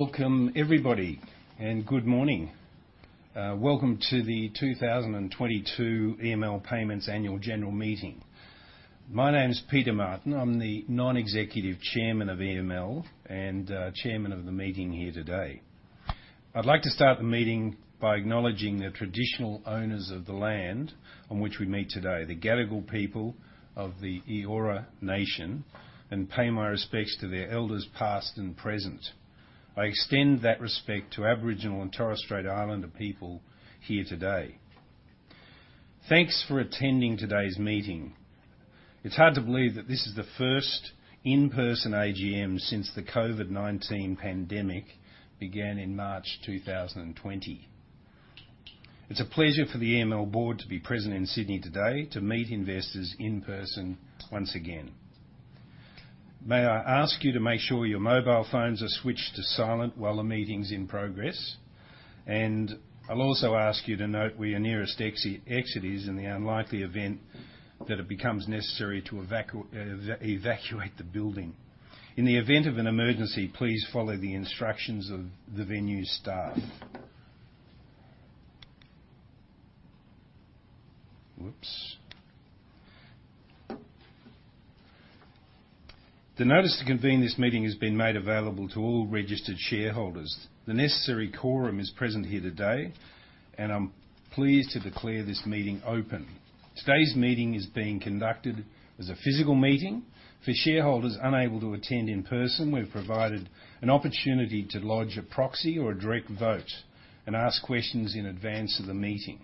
Welcome everybody. Good morning. Welcome to the 2022 EML Payments Annual General Meeting. My name's Peter Martin. I'm the Non-Executive Chairman of EML and Chairman of the meeting here today. I'd like to start the meeting by acknowledging the traditional owners of the land on which we meet today, the Gadigal people of the Eora Nation, pay my respects to their elders past and present. I extend that respect to Aboriginal and Torres Strait Islander people here today. Thanks for attending today's meeting. It's hard to believe that this is the first in-person AGM since the COVID-19 pandemic began in March 2020. It's a pleasure for the EML board to be present in Sydney today to meet investors in person once again. May I ask you to make sure your mobile phones are switched to silent while the meeting's in progress. I'll also ask you to note where your nearest exit is in the unlikely event that it becomes necessary to evacuate the building. In the event of an emergency, please follow the instructions of the venue staff. The notice to convene this meeting has been made available to all registered shareholders. The necessary quorum is present here today. I'm pleased to declare this meeting open. Today's meeting is being conducted as a physical meeting. For shareholders unable to attend in person, we've provided an opportunity to lodge a proxy or a direct vote and ask questions in advance of the meeting.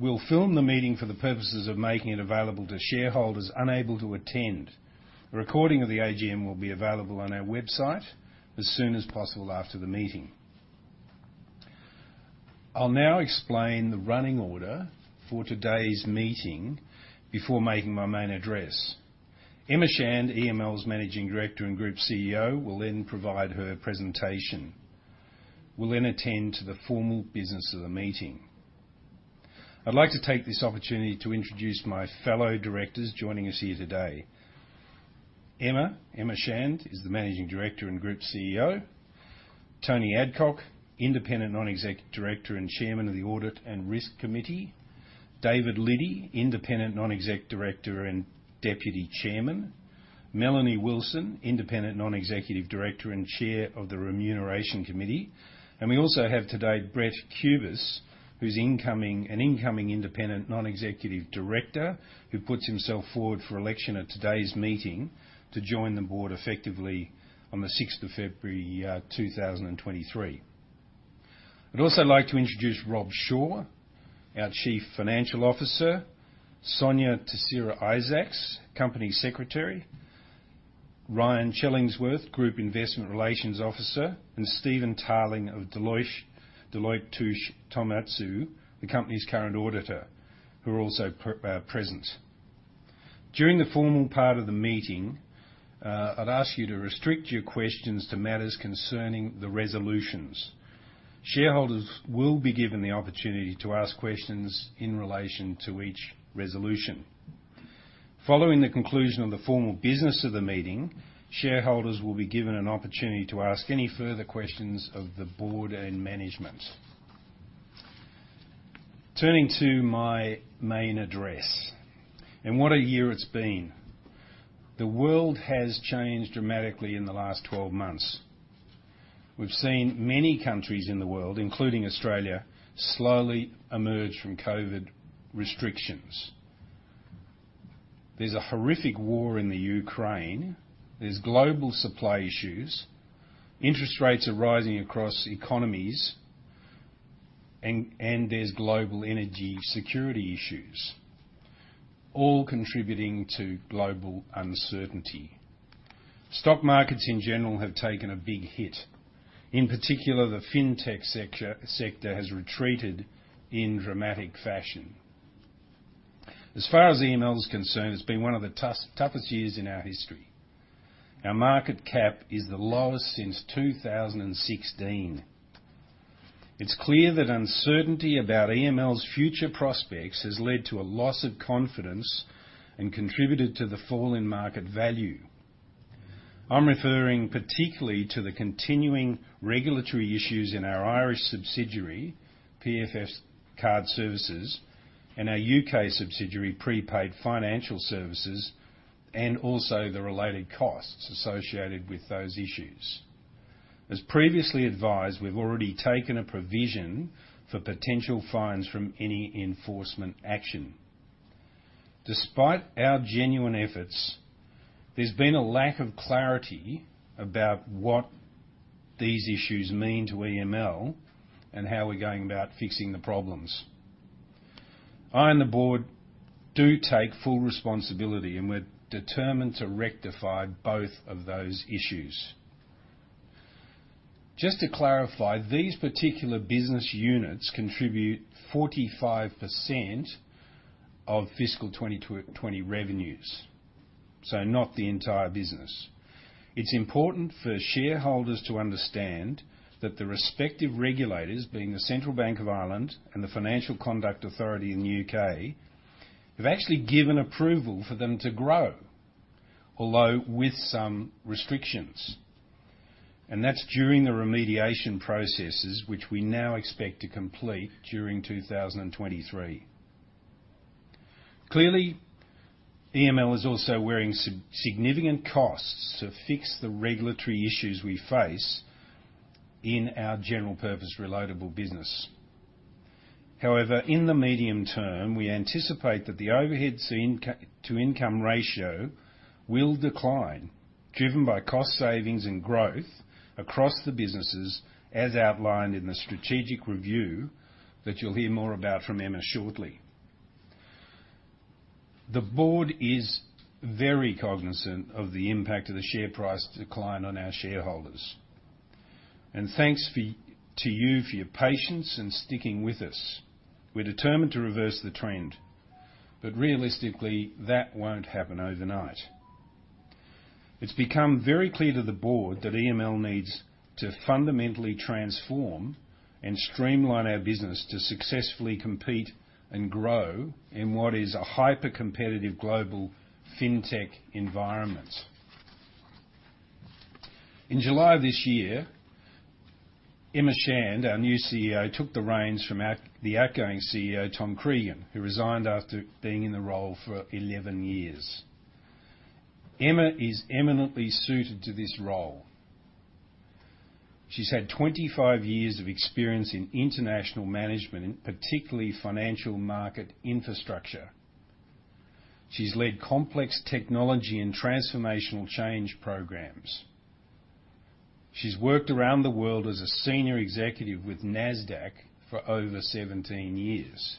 We'll film the meeting for the purposes of making it available to shareholders unable to attend. A recording of the AGM will be available on our website as soon as possible after the meeting. I'll now explain the running order for today's meeting before making my main address. Emma Shand, EML's Managing Director and Group CEO, will then provide her presentation. We'll then attend to the formal business of the meeting. I'd like to take this opportunity to introduce my fellow directors joining us here today. Emma Shand is the Managing Director and Group CEO. Tony Adcock, Independent non-exec Director and Chairman of the Audit and Risk Committee. David Liddy, Independent non-exec Director and Deputy Chairman. Melanie Wilson, Independent Non-Executive Director and Chair of the Remuneration Committee. We also have today Brent Cubis, an incoming Independent Non-Executive Director, who puts himself forward for election at today's meeting to join the board effectively on the 6th of February, 2023. I'd also like to introduce Rob Shore, our Chief Financial Officer, Sonya Tissera-Isaacs, Company Secretary, Ryan Chellingworth, Group Investor Relations Officer, and Stephen Tarling of Deloitte Touche Tohmatsu, the company's current auditor, who are also present. During the formal part of the meeting, I'd ask you to restrict your questions to matters concerning the resolutions. Shareholders will be given the opportunity to ask questions in relation to each resolution. Following the conclusion of the formal business of the meeting, shareholders will be given an opportunity to ask any further questions of the board and management. Turning to my main address, what a year it's been. The world has changed dramatically in the last 12 months. We've seen many countries in the world, including Australia, slowly emerge from COVID restrictions. There's a horrific war in Ukraine. There's global supply issues. Interest rates are rising across economies, and there's global energy security issues, all contributing to global uncertainty. Stock markets in general have taken a big hit. In particular, the fintech sector has retreated in dramatic fashion. As far as EML is concerned, it's been one of the toughest years in our history. Our market cap is the lowest since 2016. It's clear that uncertainty about EML's future prospects has led to a loss of confidence and contributed to the fall in market value. I'm referring particularly to the continuing regulatory issues in our Irish subsidiary, PFS Card Services, and our U.K. subsidiary, Prepaid Financial Services, and also the related costs associated with those issues. As previously advised, we've already taken a provision for potential fines from any enforcement action. Despite our genuine efforts, there's been a lack of clarity about what these issues mean to EML and how we're going about fixing the problems. I and the board do take full responsibility, and we're determined to rectify both of those issues. Just to clarify, these particular business units contribute 45% of fiscal 2020 revenues, so not the entire business. It's important for shareholders to understand that the respective regulators, being the Central Bank of Ireland and the Financial Conduct Authority in the U.K., have actually given approval for them to grow, although with some restrictions. That's during the remediation processes, which we now expect to complete during 2023. Clearly, EML is also wearing significant costs to fix the regulatory issues we face in our General Purpose Reloadable business. However, in the medium term, we anticipate that the overheads to income, to income ratio will decline, driven by cost savings and growth across the businesses, as outlined in the strategic review that you'll hear more about from Emma shortly. The board is very cognizant of the impact of the share price decline on our shareholders. Thanks to you for your patience and sticking with us. We're determined to reverse the trend. Realistically, that won't happen overnight. It's become very clear to the board that EML needs to fundamentally transform and streamline our business to successfully compete and grow in what is a hyper-competitive global fintech environment. In July of this year, Emma Shand, our new CEO, took the reins from the outgoing CEO, Tom Cregan, who resigned after being in the role for 11 years. Emma is eminently suited to this role. She's had 25 years of experience in international management, and particularly financial market infrastructure. She's led complex technology and transformational change programs. She's worked around the world as a senior executive with NASDAQ for over 17 years.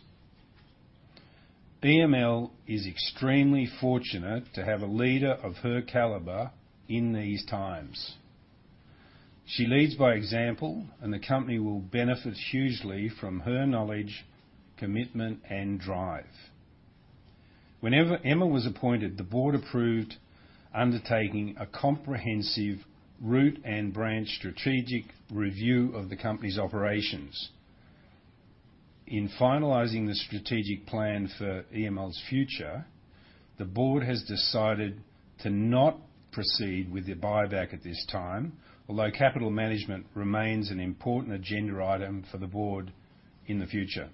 EML is extremely fortunate to have a leader of her caliber in these times. She leads by example, and the company will benefit hugely from her knowledge, commitment, and drive. Whenever Emma was appointed, the board approved undertaking a comprehensive root-and-branch strategic review of the company's operations. In finalizing the strategic plan for EML's future, the board has decided to not proceed with the buyback at this time, although capital management remains an important agenda item for the board in the future.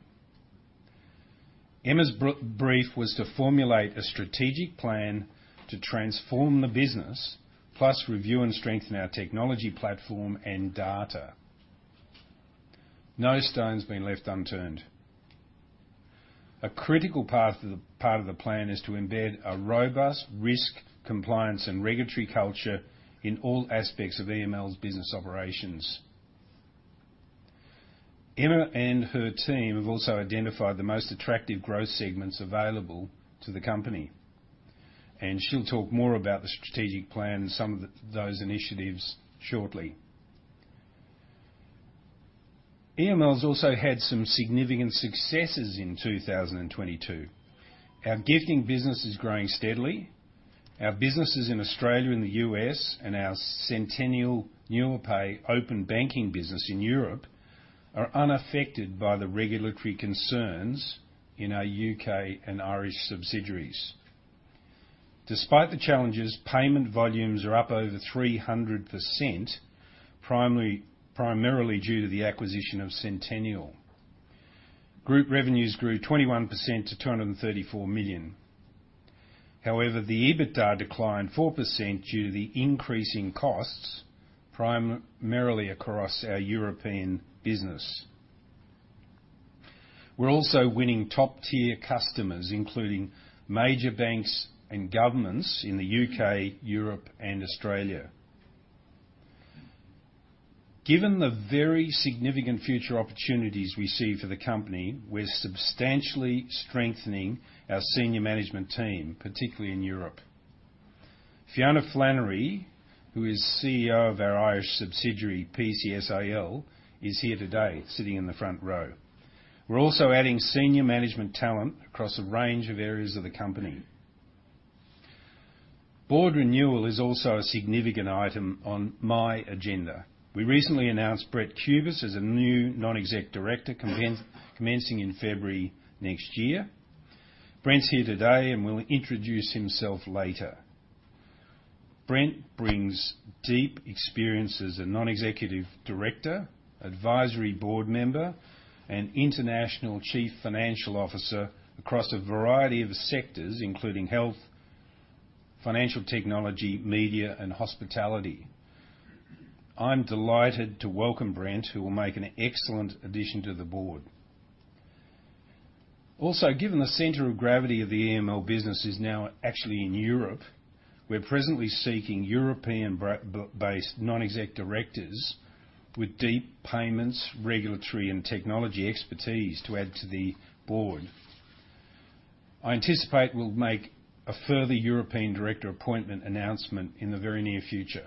Emma's brief was to formulate a strategic plan to transform the business, plus review and strengthen our technology platform and data. No stone has been left unturned. A critical part of the plan is to embed a robust risk, compliance, and regulatory culture in all aspects of EML's business operations. Emma and her team have also identified the most attractive growth segments available to the company. She'll talk more about the strategic plan and some of those initiatives shortly. EML's also had some significant successes in 2022. Our gifting business is growing steadily. Our businesses in Australia and the U.S., and our Sentenial Nuapay open banking business in Europe, are unaffected by the regulatory concerns in our U.K. and Irish subsidiaries. Despite the challenges, payment volumes are up over 300%, primarily due to the acquisition of Sentenial. Group revenues grew 21% to 234 million. The EBITDA declined 4% due to the increase in costs, primarily across our European business. We're also winning top-tier customers, including major banks and governments in the U.K., Europe, and Australia. Given the very significant future opportunities we see for the company, we're substantially strengthening our senior management team, particularly in Europe. Fiona Flannery, who is CEO of our Irish subsidiary, PCSIL, is here today sitting in the front row. We're also adding senior management talent across a range of areas of the company. Board renewal is also a significant item on my agenda. We recently announced Brent Cubis as a new non-exec director commencing in February next year. Brent's here today and will introduce himself later. Brent Cubis brings deep experience as a non-executive director, advisory board member, and international chief financial officer across a variety of sectors, including health, financial technology, media, and hospitality. I'm delighted to welcome Brent Cubis, who will make an excellent addition to the board. Given the center of gravity of the EML business is now actually in Europe, we're presently seeking European based non-exec directors with deep payments, regulatory, and technology expertise to add to the board. I anticipate we'll make a further European director appointment announcement in the very near future.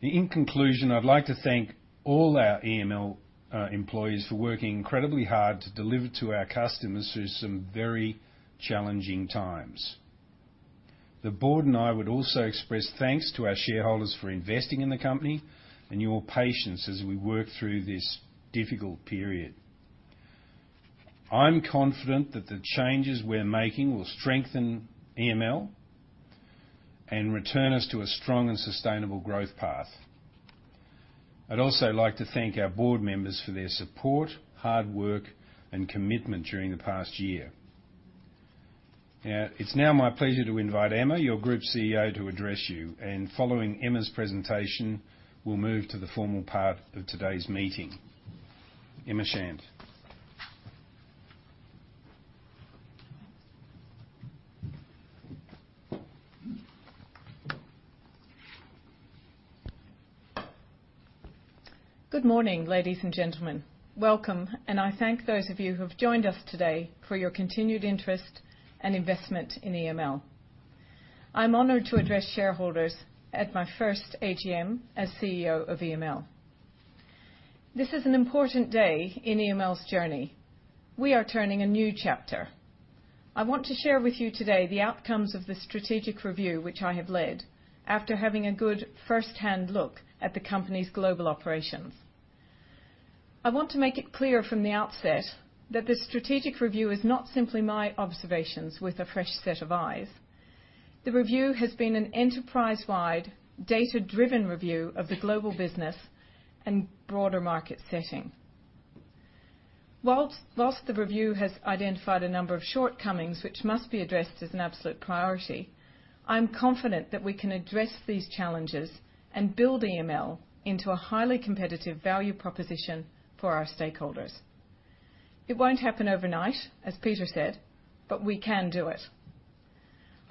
In conclusion, I'd like to thank all our EML employees for working incredibly hard to deliver to our customers through some very challenging times. The board and I would also express thanks to our shareholders for investing in the company and your patience as we work through this difficult period. I'm confident that the changes we're making will strengthen EML and return us to a strong and sustainable growth path. I'd also like to thank our board members for their support, hard work, and commitment during the past year. It's now my pleasure to invite Emma, your Group CEO, to address you. Following Emma's presentation, we'll move to the formal part of today's meeting. Emma Shand. Good morning, ladies and gentlemen. Welcome. I thank those of you who have joined us today for your continued interest and investment in EML. I'm honored to address shareholders at my first AGM as CEO of EML. This is an important day in EML's journey. We are turning a new chapter. I want to share with you today the outcomes of the strategic review, which I have led, after having a good firsthand look at the company's global operations. I want to make it clear from the outset that this strategic review is not simply my observations with a fresh set of eyes. The review has been an enterprise-wide, data-driven review of the global business and broader market setting. Whilst the review has identified a number of shortcomings which must be addressed as an absolute priority, I'm confident that we can address these challenges and build EML into a highly competitive value proposition for our stakeholders. It won't happen overnight, as Peter said. We can do it.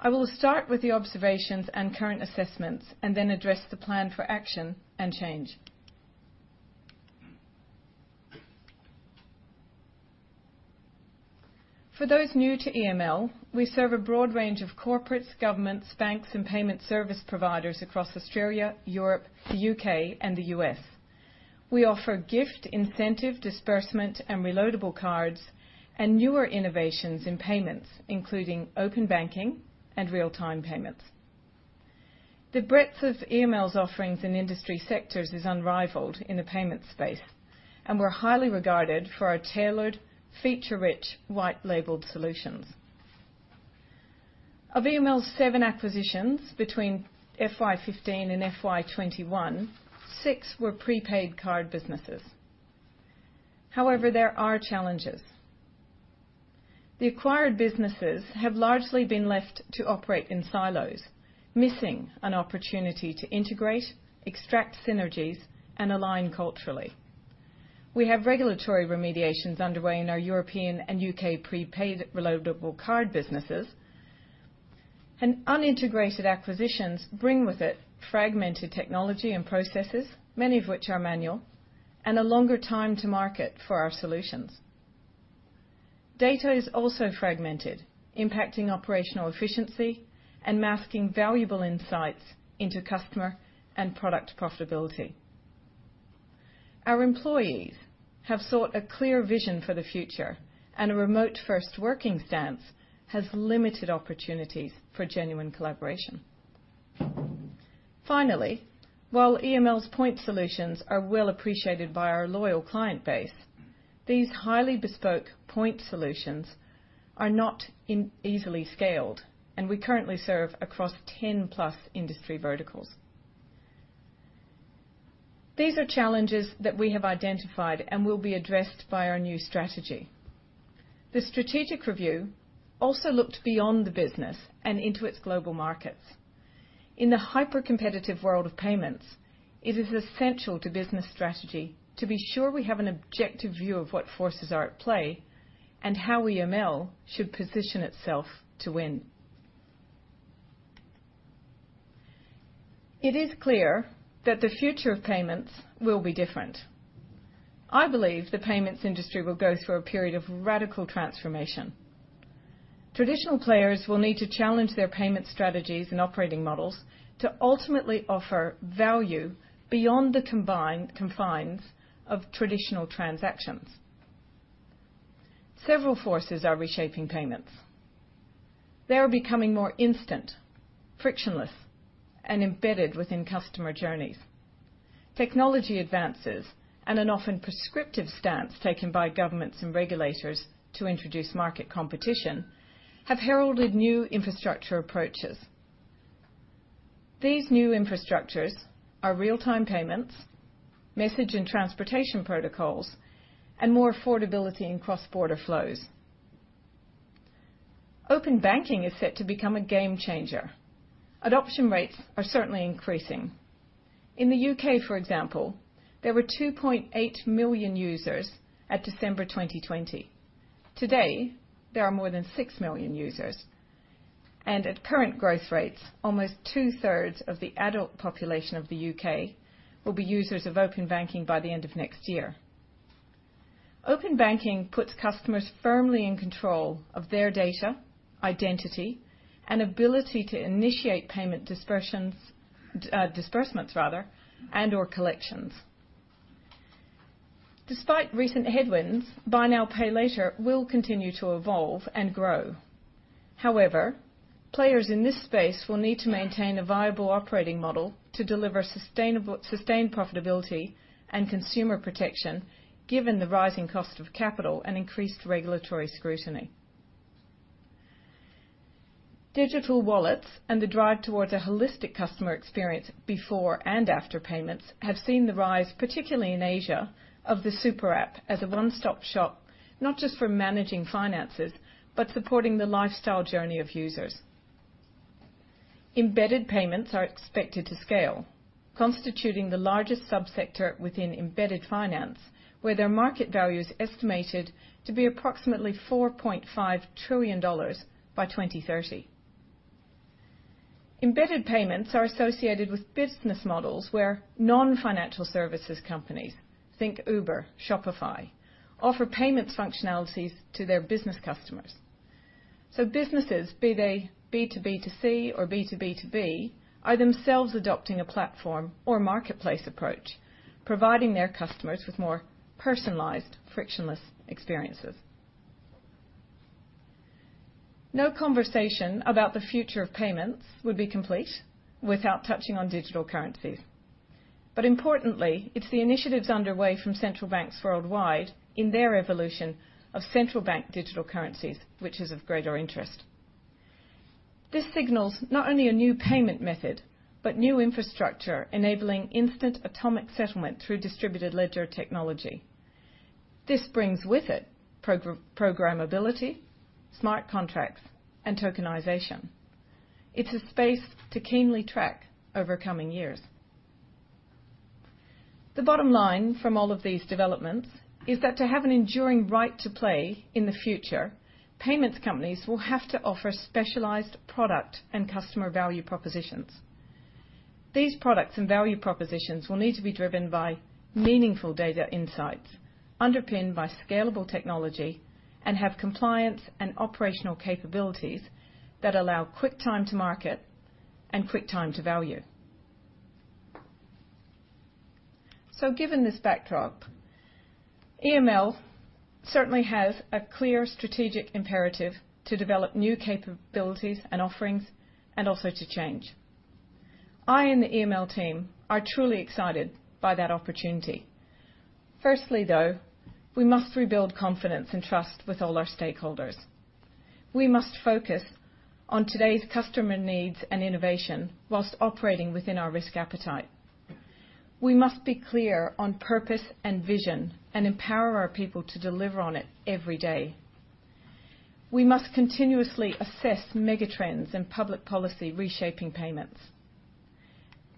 I will start with the observations and current assessments. Then address the plan for action and change. For those new to EML, we serve a broad range of corporates, governments, banks, and payment service providers across Australia, Europe, the U.K., and the U.S. We offer gift, incentive, disbursement, and reloadable cards. Newer innovations in payments, including open banking and real-time payments. The breadth of EML's offerings in industry sectors is unrivaled in the payments space. We're highly regarded for our tailored, feature-rich, white-labeled solutions. Of EML's seven acquisitions between FY 2015 and FY 2021, six were prepaid card businesses. There are challenges. The acquired businesses have largely been left to operate in silos, missing an opportunity to integrate, extract synergies, and align culturally. We have regulatory remediations underway in our European and U.K. prepaid reloadable card businesses. Unintegrated acquisitions bring with it fragmented technology and processes, many of which are manual, and a longer time to market for our solutions. Data is also fragmented, impacting operational efficiency and masking valuable insights into customer and product profitability. Our employees have sought a clear vision for the future, and a remote-first working stance has limited opportunities for genuine collaboration. Finally, while EML's point solutions are well appreciated by our loyal client base, these highly bespoke point solutions are not easily scaled, and we currently serve across 10+ industry verticals. These are challenges that we have identified and will be addressed by our new strategy. The strategic review also looked beyond the business and into its global markets. In the hyper-competitive world of payments, it is essential to business strategy to be sure we have an objective view of what forces are at play and how EML should position itself to win. It is clear that the future of payments will be different. I believe the payments industry will go through a period of radical transformation. Traditional players will need to challenge their payment strategies and operating models to ultimately offer value beyond the confines of traditional transactions. Several forces are reshaping payments. They are becoming more instant, frictionless, and embedded within customer journeys. Technology advances and an often prescriptive stance taken by governments and regulators to introduce market competition have heralded new infrastructure approaches. These new infrastructures are real-time payments, message and transportation protocols, and more affordability in cross-border flows. Open banking is set to become a game changer. Adoption rates are certainly increasing. In the U.K., for example, there were 2.8 million users at December 2020. Today, there are more than 6 million users. At current growth rates, almost 2/3 of the adult population of the U.K. will be users of open banking by the end of next year. Open banking puts customers firmly in control of their data, identity, and ability to initiate payment disbursements rather, and/or collections. Despite recent headwinds, buy now, pay later will continue to evolve and grow. However, players in this space will need to maintain a viable operating model to deliver sustained profitability and consumer protection, given the rising cost of capital and increased regulatory scrutiny. Digital wallets and the drive towards a holistic customer experience before and after payments have seen the rise, particularly in Asia, of the super app as a one-stop shop, not just for managing finances, but supporting the lifestyle journey of users. Embedded payments are expected to scale, constituting the largest sub-sector within embedded finance, where their market value is estimated to be approximately 4.5 trillion dollars by 2030. Embedded payments are associated with business models where non-financial services companies, think Uber, Shopify, offer payments functionalities to their business customers. Businesses, be they B2B2C or B2B2B, are themselves adopting a platform or marketplace approach, providing their customers with more personalized frictionless experiences. No conversation about the future of payments would be complete without touching on digital currencies. Importantly, it's the initiatives underway from central banks worldwide in their evolution of central bank digital currencies, which is of greater interest. This signals not only a new payment method, but new infrastructure enabling instant atomic settlement through distributed ledger technology. This brings with it programmability, smart contracts and tokenization. It's a space to keenly track over coming years. The bottom line from all of these developments is that to have an enduring right to play in the future, payments companies will have to offer specialized product and customer value propositions. These products and value propositions will need to be driven by meaningful data insights, underpinned by scalable technology, and have compliance and operational capabilities that allow quick time to market and quick time to value. Given this backdrop, EML certainly has a clear strategic imperative to develop new capabilities and offerings and also to change. I and the EML team are truly excited by that opportunity. Firstly though, we must rebuild confidence and trust with all our stakeholders. We must focus on today's customer needs and innovation while operating within our risk appetite. We must be clear on purpose and vision and empower our people to deliver on it every day. We must continuously assess megatrends and public policy reshaping payments.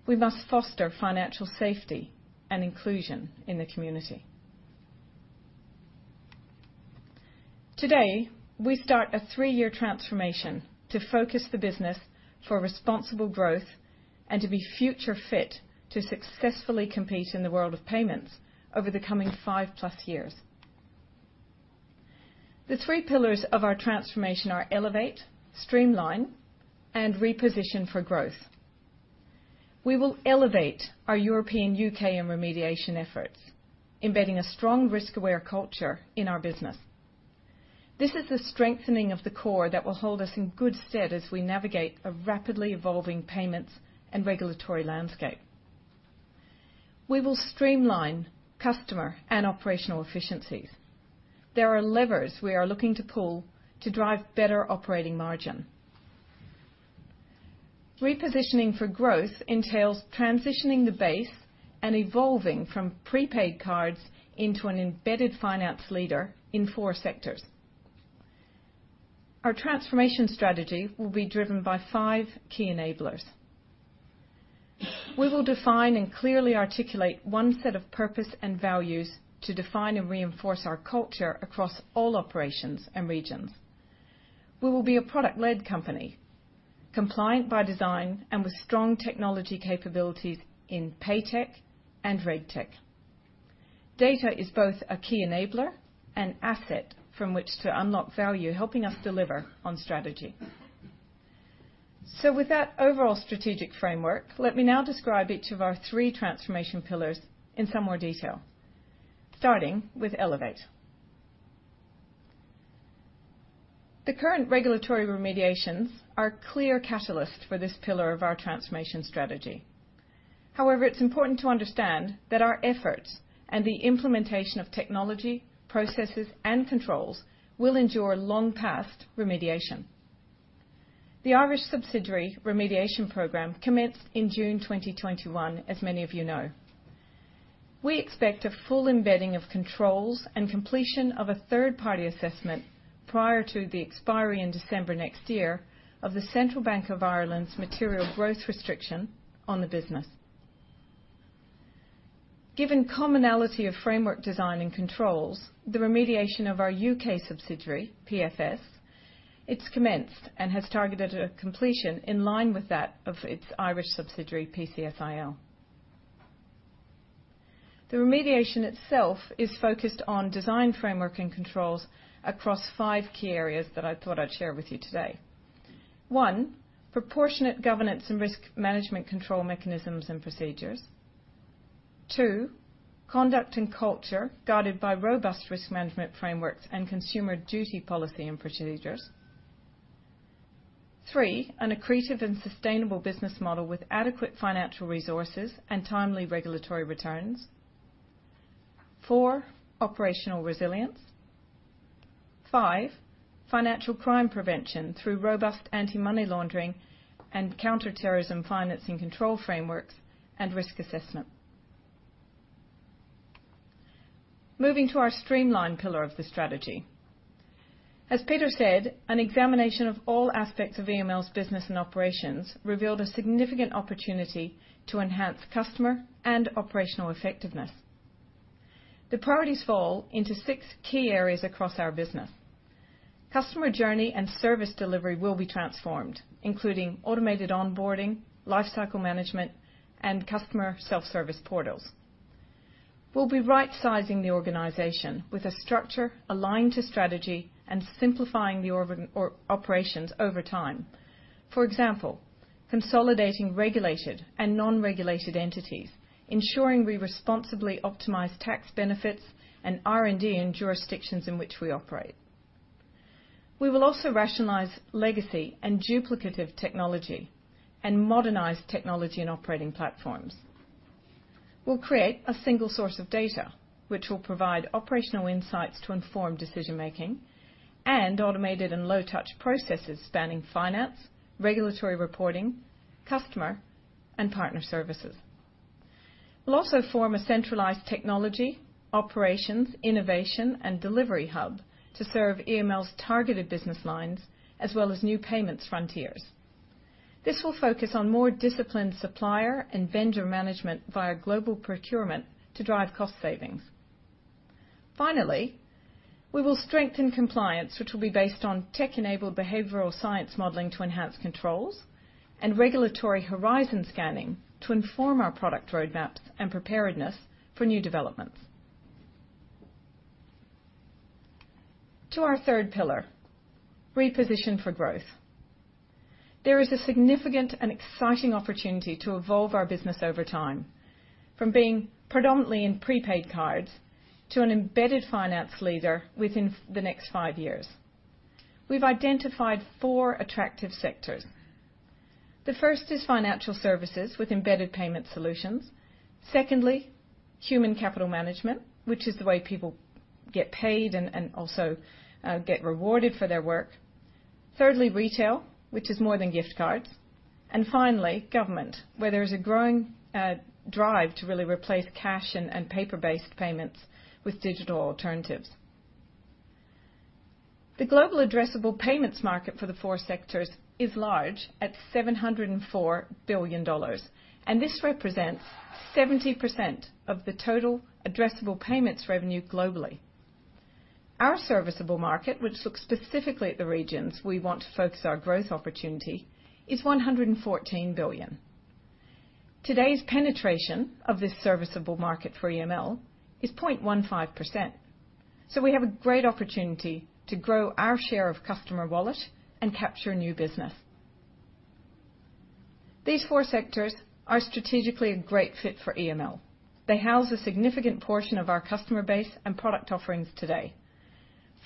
We must foster financial safety and inclusion in the community. Today, we start a three-year transformation to focus the business for responsible growth and to be future fit to successfully compete in the world of payments over the coming 5+ years. The three pillars of our transformation are elevate, streamline, and reposition for growth. We will elevate our European, U.K. and remediation efforts, embedding a strong risk-aware culture in our business. This is the strengthening of the core that will hold us in good stead as we navigate a rapidly evolving payments and regulatory landscape. We will streamline customer and operational efficiencies. There are levers we are looking to pull to drive better operating margin. Repositioning for growth entails transitioning the base and evolving from prepaid cards into an embedded finance leader in four sectors. Our transformation strategy will be driven by five key enablers. We will define and clearly articulate 1 set of purpose and values to define and reinforce our culture across all operations and regions. We will be a product-led company, compliant by design and with strong technology capabilities in paytech and regtech. Data is both a key enabler and asset from which to unlock value, helping us deliver on strategy. With that overall strategic framework, let me now describe each of our three transformation pillars in some more detail, starting with elevate. The current regulatory remediations are a clear catalyst for this pillar of our transformation strategy. However, it's important to understand that our efforts and the implementation of technology, processes, and controls will endure long past remediation. The Irish subsidiary remediation program commenced in June 2021, as many of you know. We expect a full embedding of controls and completion of a third-party assessment prior to the expiry in December next year of the Central Bank of Ireland's material growth restriction on the business. Given commonality of framework design and controls, the remediation of our U.K. subsidiary, PFS, it's commenced and has targeted a completion in line with that of its Irish subsidiary, PCSIL. The remediation itself is focused on design framework and controls across five key areas that I thought I'd share with you today. One, proportionate governance and risk management control mechanisms and procedures. Two, conduct and culture guided by robust risk management frameworks and consumer duty policy and procedures. Three, an accretive and sustainable business model with adequate financial resources and timely regulatory returns. Four, operational resilience. Five, financial crime prevention through robust anti-money laundering and counter-terrorism financing control frameworks and risk assessment. Moving to our streamline pillar of the strategy. As Peter said, an examination of all aspects of EML's business and operations revealed a significant opportunity to enhance customer and operational effectiveness. The priorities fall into six key areas across our business. Customer journey and service delivery will be transformed, including automated onboarding, lifecycle management, and customer self-service portals. We'll be rightsizing the organization with a structure aligned to strategy and simplifying operations over time. For example, consolidating regulated and non-regulated entities, ensuring we responsibly optimize tax benefits and R&D in jurisdictions in which we operate. We will also rationalize legacy and duplicative technology and modernize technology and operating platforms. We'll create a single source of data, which will provide operational insights to inform decision-making and automated and low-touch processes spanning finance, regulatory reporting, customer, and partner services. We'll also form a centralized technology, operations, innovation, and delivery hub to serve EML's targeted business lines as well as new payments frontiers. This will focus on more disciplined supplier and vendor management via global procurement to drive cost savings. Finally, we will strengthen compliance, which will be based on tech-enabled behavioral science modeling to enhance controls and regulatory horizon scanning to inform our product roadmaps and preparedness for new developments. To our third pillar, reposition for growth. There is a significant and exciting opportunity to evolve our business over time, from being predominantly in prepaid cards to an embedded finance leader within the next five years. We've identified four attractive sectors. The first is financial services with embedded payment solutions. Secondly, human capital management, which is the way people get paid and also get rewarded for their work. Thirdly, retail, which is more than gift cards. Finally, government, where there is a growing drive to really replace cash and paper-based payments with digital alternatives. The global addressable payments market for the four sectors is large at 704 billion dollars. This represents 70% of the total addressable payments revenue globally. Our serviceable market, which looks specifically at the regions we want to focus our growth opportunity, is 114 billion. Today's penetration of this serviceable market for EML is 0.15%. We have a great opportunity to grow our share of customer wallet and capture new business. These four sectors are strategically a great fit for EML. They house a significant portion of our customer base and product offerings today.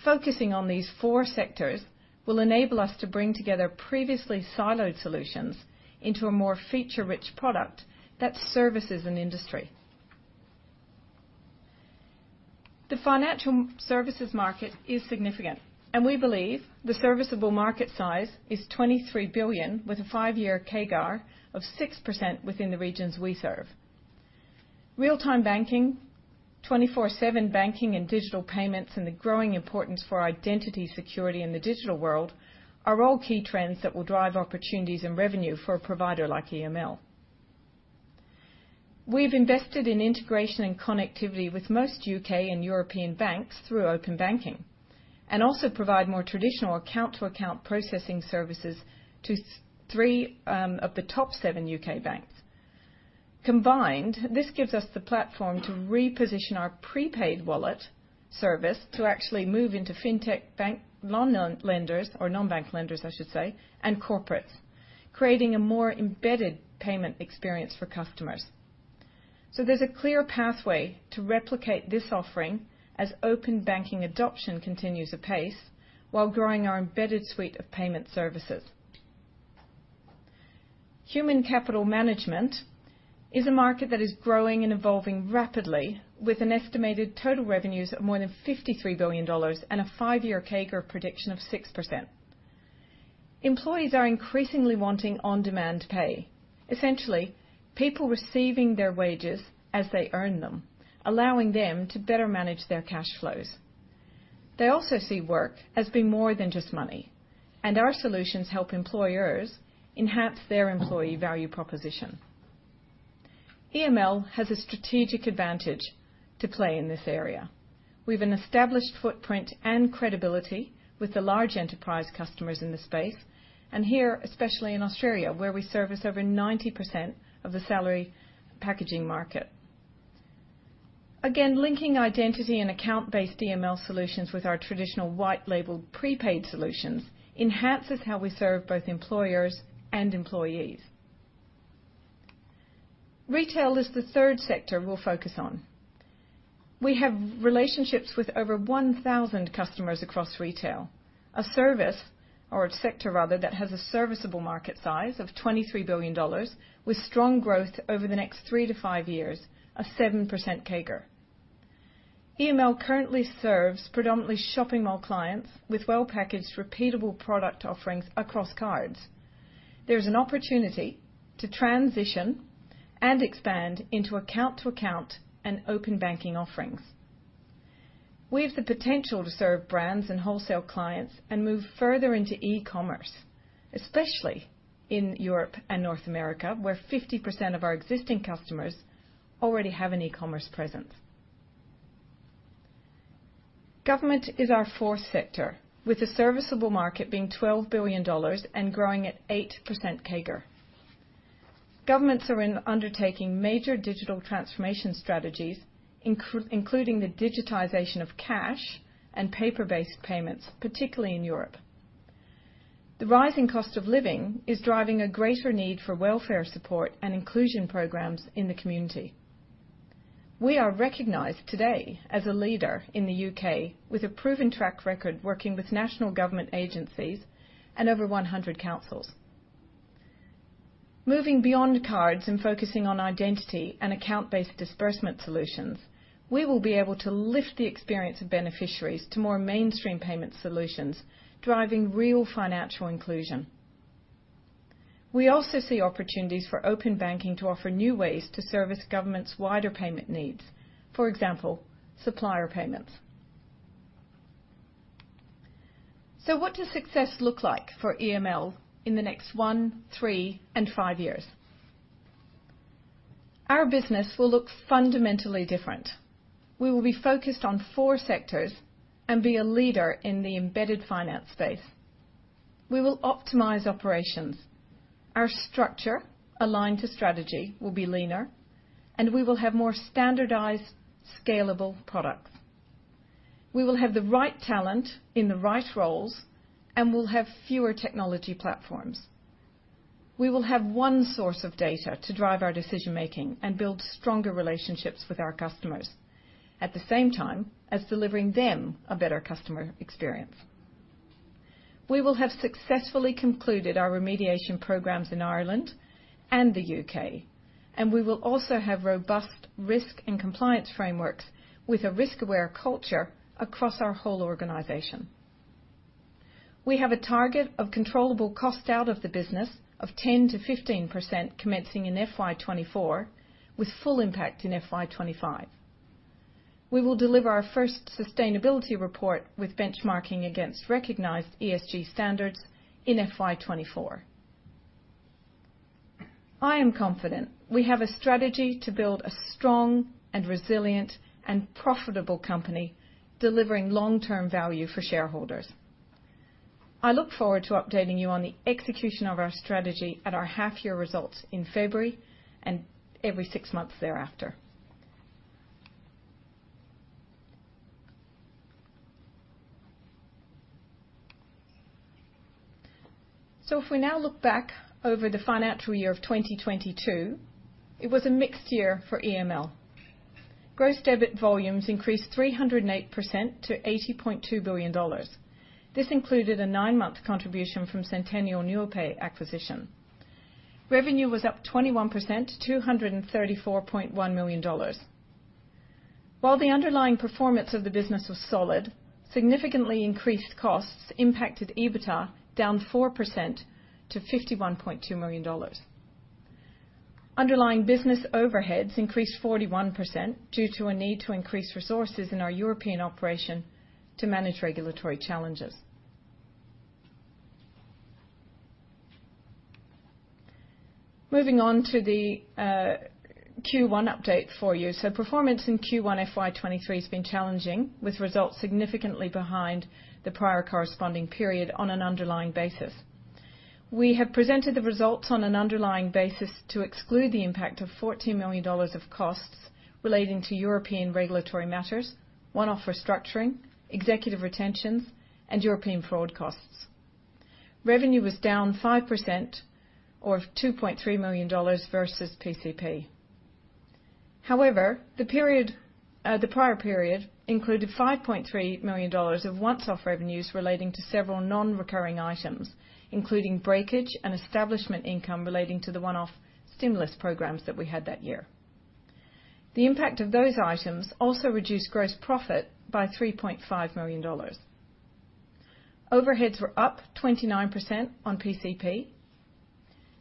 Focusing on these four sectors will enable us to bring together previously siloed solutions into a more feature-rich product that services an industry. The financial services market is significant, and we believe the serviceable market size is 23 billion with a five-year CAGR of 6% within the regions we serve. Real-time banking, 24/7 banking and digital payments, and the growing importance for identity security in the digital world are all key trends that will drive opportunities and revenue for a provider like EML. We've invested in integration and connectivity with most U.K. and European banks through open banking, and also provide more traditional account-to-account processing services to three of the top seven U.K. banks. Combined, this gives us the platform to reposition our prepaid wallet service to actually move into FinTech bank loan on-lenders or non-bank lenders, I should say, and corporates, creating a more embedded payment experience for customers. There's a clear pathway to replicate this offering as open banking adoption continues apace while growing our embedded suite of payment services. Human capital management is a market that is growing and evolving rapidly with an estimated total revenues of more than 53 billion dollars and a five-year CAGR prediction of 6%. Employees are increasingly wanting on-demand pay. Essentially, people receiving their wages as they earn them, allowing them to better manage their cash flows. They also see work as being more than just money, and our solutions help employers enhance their employee value proposition. EML has a strategic advantage to play in this area. We have an established footprint and credibility with the large enterprise customers in this space, and here, especially in Australia, where we service over 90% of the salary packaging market. Again, linking identity and account-based EML solutions with our traditional white-labeled prepaid solutions enhances how we serve both employers and employees. Retail is the third sector we'll focus on. We have relationships with over 1,000 customers across retail, a service or a sector rather, that has a serviceable market size of 23 billion dollars with strong growth over the next three-five years, a 7% CAGR. EML currently serves predominantly shopping mall clients with well-packaged repeatable product offerings across cards. There is an opportunity to transition and expand into account to account and open banking offerings. We have the potential to serve brands and wholesale clients and move further into e-commerce, especially in Europe and North America, where 50% of our existing customers already have an e-commerce presence. Government is our fourth sector, with the serviceable market being 12 billion dollars and growing at 8% CAGR. Governments are undertaking major digital transformation strategies, including the digitization of cash and paper-based payments, particularly in Europe. The rising cost of living is driving a greater need for welfare support and inclusion programs in the community. We are recognized today as a leader in the U.K. with a proven track record working with national government agencies and over 100 councils. Moving beyond cards and focusing on identity and account-based disbursement solutions, we will be able to lift the experience of beneficiaries to more mainstream payment solutions, driving real financial inclusion. We also see opportunities for open banking to offer new ways to service government's wider payment needs, for example, supplier payments. What does success look like for EML in the next one, three, and five years? Our business will look fundamentally different. We will be focused on four sectors and be a leader in the embedded finance space. We will optimize operations. Our structure, aligned to strategy, will be leaner, and we will have more standardized, scalable products. We will have the right talent in the right roles, and we'll have fewer technology platforms. We will have one source of data to drive our decision-making and build stronger relationships with our customers, at the same time as delivering them a better customer experience. We will have successfully concluded our remediation programs in Ireland and the U.K., and we will also have robust risk and compliance frameworks with a risk-aware culture across our whole organization. We have a target of controllable cost out of the business of 10%-15% commencing in FY 2024, with full impact in FY 2025. We will deliver our first sustainability report with benchmarking against recognized ESG standards in FY 2024. I am confident we have a strategy to build a strong and resilient and profitable company delivering long-term value for shareholders. I look forward to updating you on the execution of our strategy at our half year results in February and every six months thereafter. If we now look back over the financial year of 2022, it was a mixed year for EML. Gross debit volumes increased 308% to 80.2 billion dollars. This included a nine-month contribution from Sentenial Nuapay acquisition. Revenue was up 21% to 234.1 million dollars. While the underlying performance of the business was solid, significantly increased costs impacted EBITDA down 4% to 51.2 million dollars. Underlying business overheads increased 41% due to a need to increase resources in our European operation to manage regulatory challenges. Moving on to the Q1 update for you. Performance in Q1 FY 2023 has been challenging, with results significantly behind the prior corresponding period on an underlying basis. We have presented the results on an underlying basis to exclude the impact of 14 million dollars of costs relating to European regulatory matters, one-off restructuring, executive retentions, and European fraud costs. Revenue was down 5% or 2.3 million dollars versus PCP. The period, the prior period included 5.3 million dollars of once-off revenues relating to several non-recurring items, including breakage and establishment income relating to the one-off stimulus programs that we had that year. The impact of those items also reduced gross profit by 3.5 million dollars. Overheads were up 29% on PCP.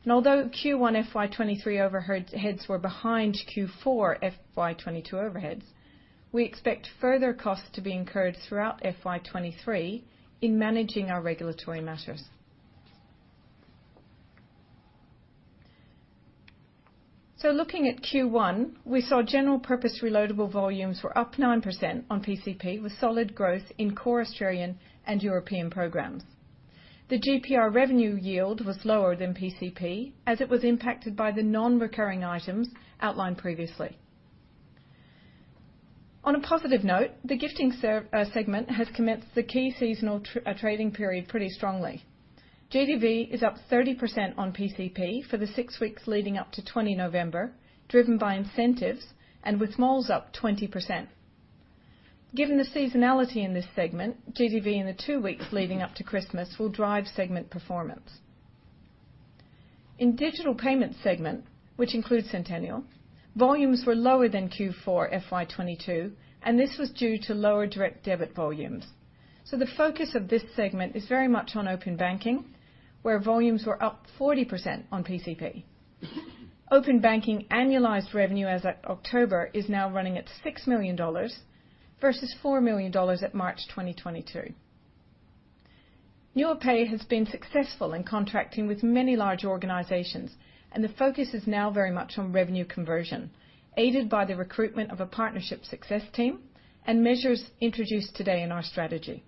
Q1 FY 2023 overheads were behind Q4 FY 2022 overheads, we expect further costs to be incurred throughout FY 2023 in managing our regulatory matters. Looking at Q1, we saw General Purpose Reloadable volumes were up 9% on PCP, with solid growth in core Australian and European programs. The GPR revenue yield was lower than PCP as it was impacted by the non-recurring items outlined previously. On a positive note, the gifting segment has commenced the key seasonal trading period pretty strongly. GDV is up 30% on PCP for the six weeks leading up to 20 November, driven by incentives and with malls up 20%. Given the seasonality in this segment, GDV in the two weeks leading up to Christmas will drive segment performance. In Digital Payments segment, which includes Sentenial, volumes were lower than Q4 FY 2022, and this was due to lower direct debit volumes. The focus of this segment is very much on open banking, where volumes were up 40% on PCP. Open banking annualized revenue as at October is now running at 6 million dollars versus 4 million dollars at March 2022. Nuapay has been successful in contracting with many large organizations. The focus is now very much on revenue conversion, aided by the recruitment of a partnership success team and measures introduced today in our strategy.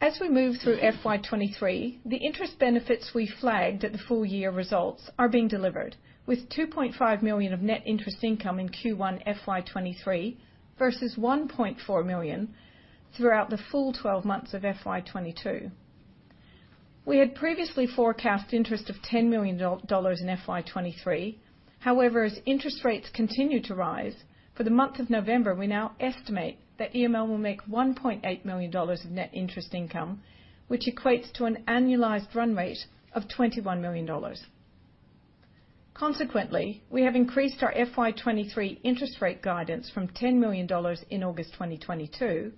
As we move through FY 2023, the interest benefits we flagged at the full year results are being delivered with 2.5 million of net interest income in Q1 FY 2023 versus 1.4 million throughout the full 12 months of FY 2022. We had previously forecast interest of 10 million dollars in FY 2023. As interest rates continue to rise, for the month of November, we now estimate that EML will make 1.8 million dollars of net interest income, which equates to an annualized run rate of 21 million dollars. Consequently, we have increased our FY 2023 interest rate guidance from 10 million dollars in August 2022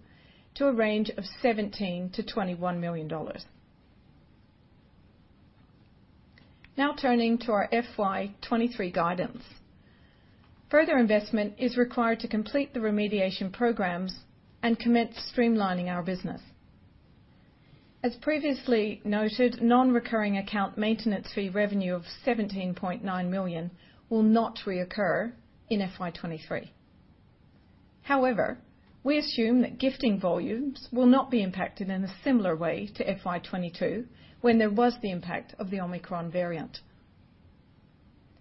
to a range of 17 million-21 million dollars. Turning to our FY 2023 guidance. Further investment is required to complete the remediation programs and commence streamlining our business. As previously noted, non-recurring account maintenance fee revenue of 17.9 million will not reoccur in FY 2023. We assume that gifting volumes will not be impacted in a similar way to FY 2022 when there was the impact of the Omicron variant.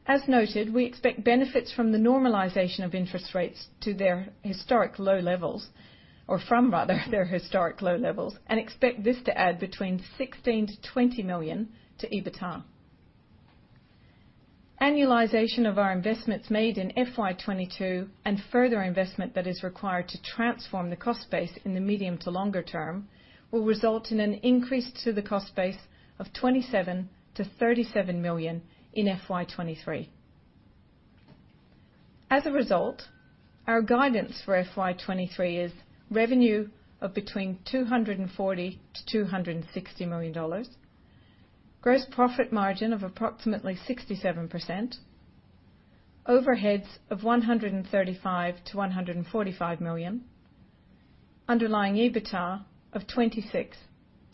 As noted, we expect benefits from the normalization of interest rates to their historic low levels, or from rather their historic low levels, and expect this to add between 16 million-20 million to EBITDA. Annualization of our investments made in FY 2022 and further investment that is required to transform the cost base in the medium to longer term will result in an increase to the cost base of 27 million-37 million in FY 2023. Our guidance for FY 2023 is revenue of between 240 million-260 million dollars, gross profit margin of approximately 67%, overheads of 135 million-145 million, underlying EBITDA of 26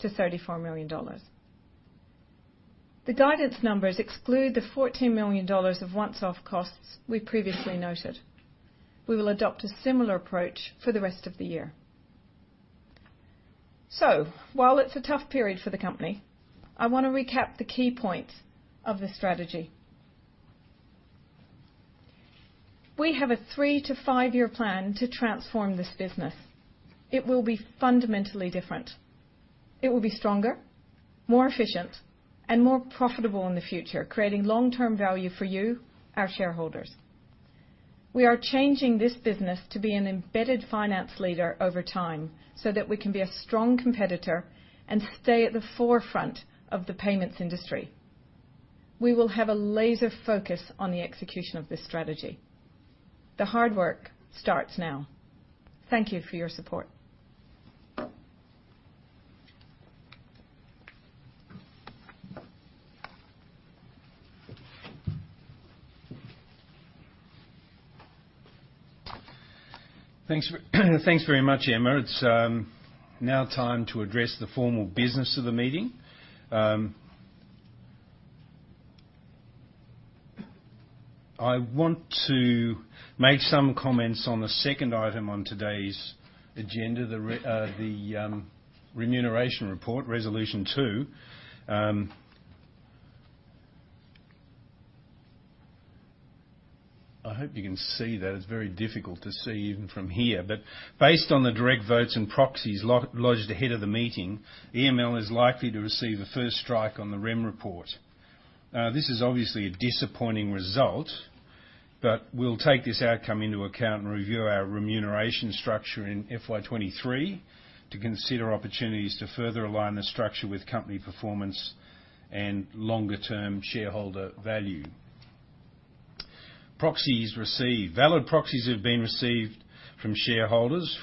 million-34 million dollars. The guidance numbers exclude the 14 million dollars of once-off costs we previously noted. We will adopt a similar approach for the rest of the year. While it's a tough period for the company, I wanna recap the key points of the strategy. We have a three to five-year plan to transform this business. It will be fundamentally different. It will be stronger, more efficient, and more profitable in the future, creating long-term value for you, our shareholders. We are changing this business to be an embedded finance leader over time, so that we can be a strong competitor and stay at the forefront of the payments industry. We will have a laser focus on the execution of this strategy. The hard work starts now. Thank you for your support. Thanks very much, Emma. It's now time to address the formal business of the meeting. I want to make some comments on the second item on today's agenda, the remuneration report, Resolution 2. I hope you can see that. It's very difficult to see even from here. Based on the direct votes and proxies lodged ahead of the meeting, EML is likely to receive a first strike on the rem report. This is obviously a disappointing result, but we'll take this outcome into account and review our remuneration structure in FY 2023 to consider opportunities to further align the structure with company performance and longer-term shareholder value. Proxies received. Valid proxies have been received from shareholders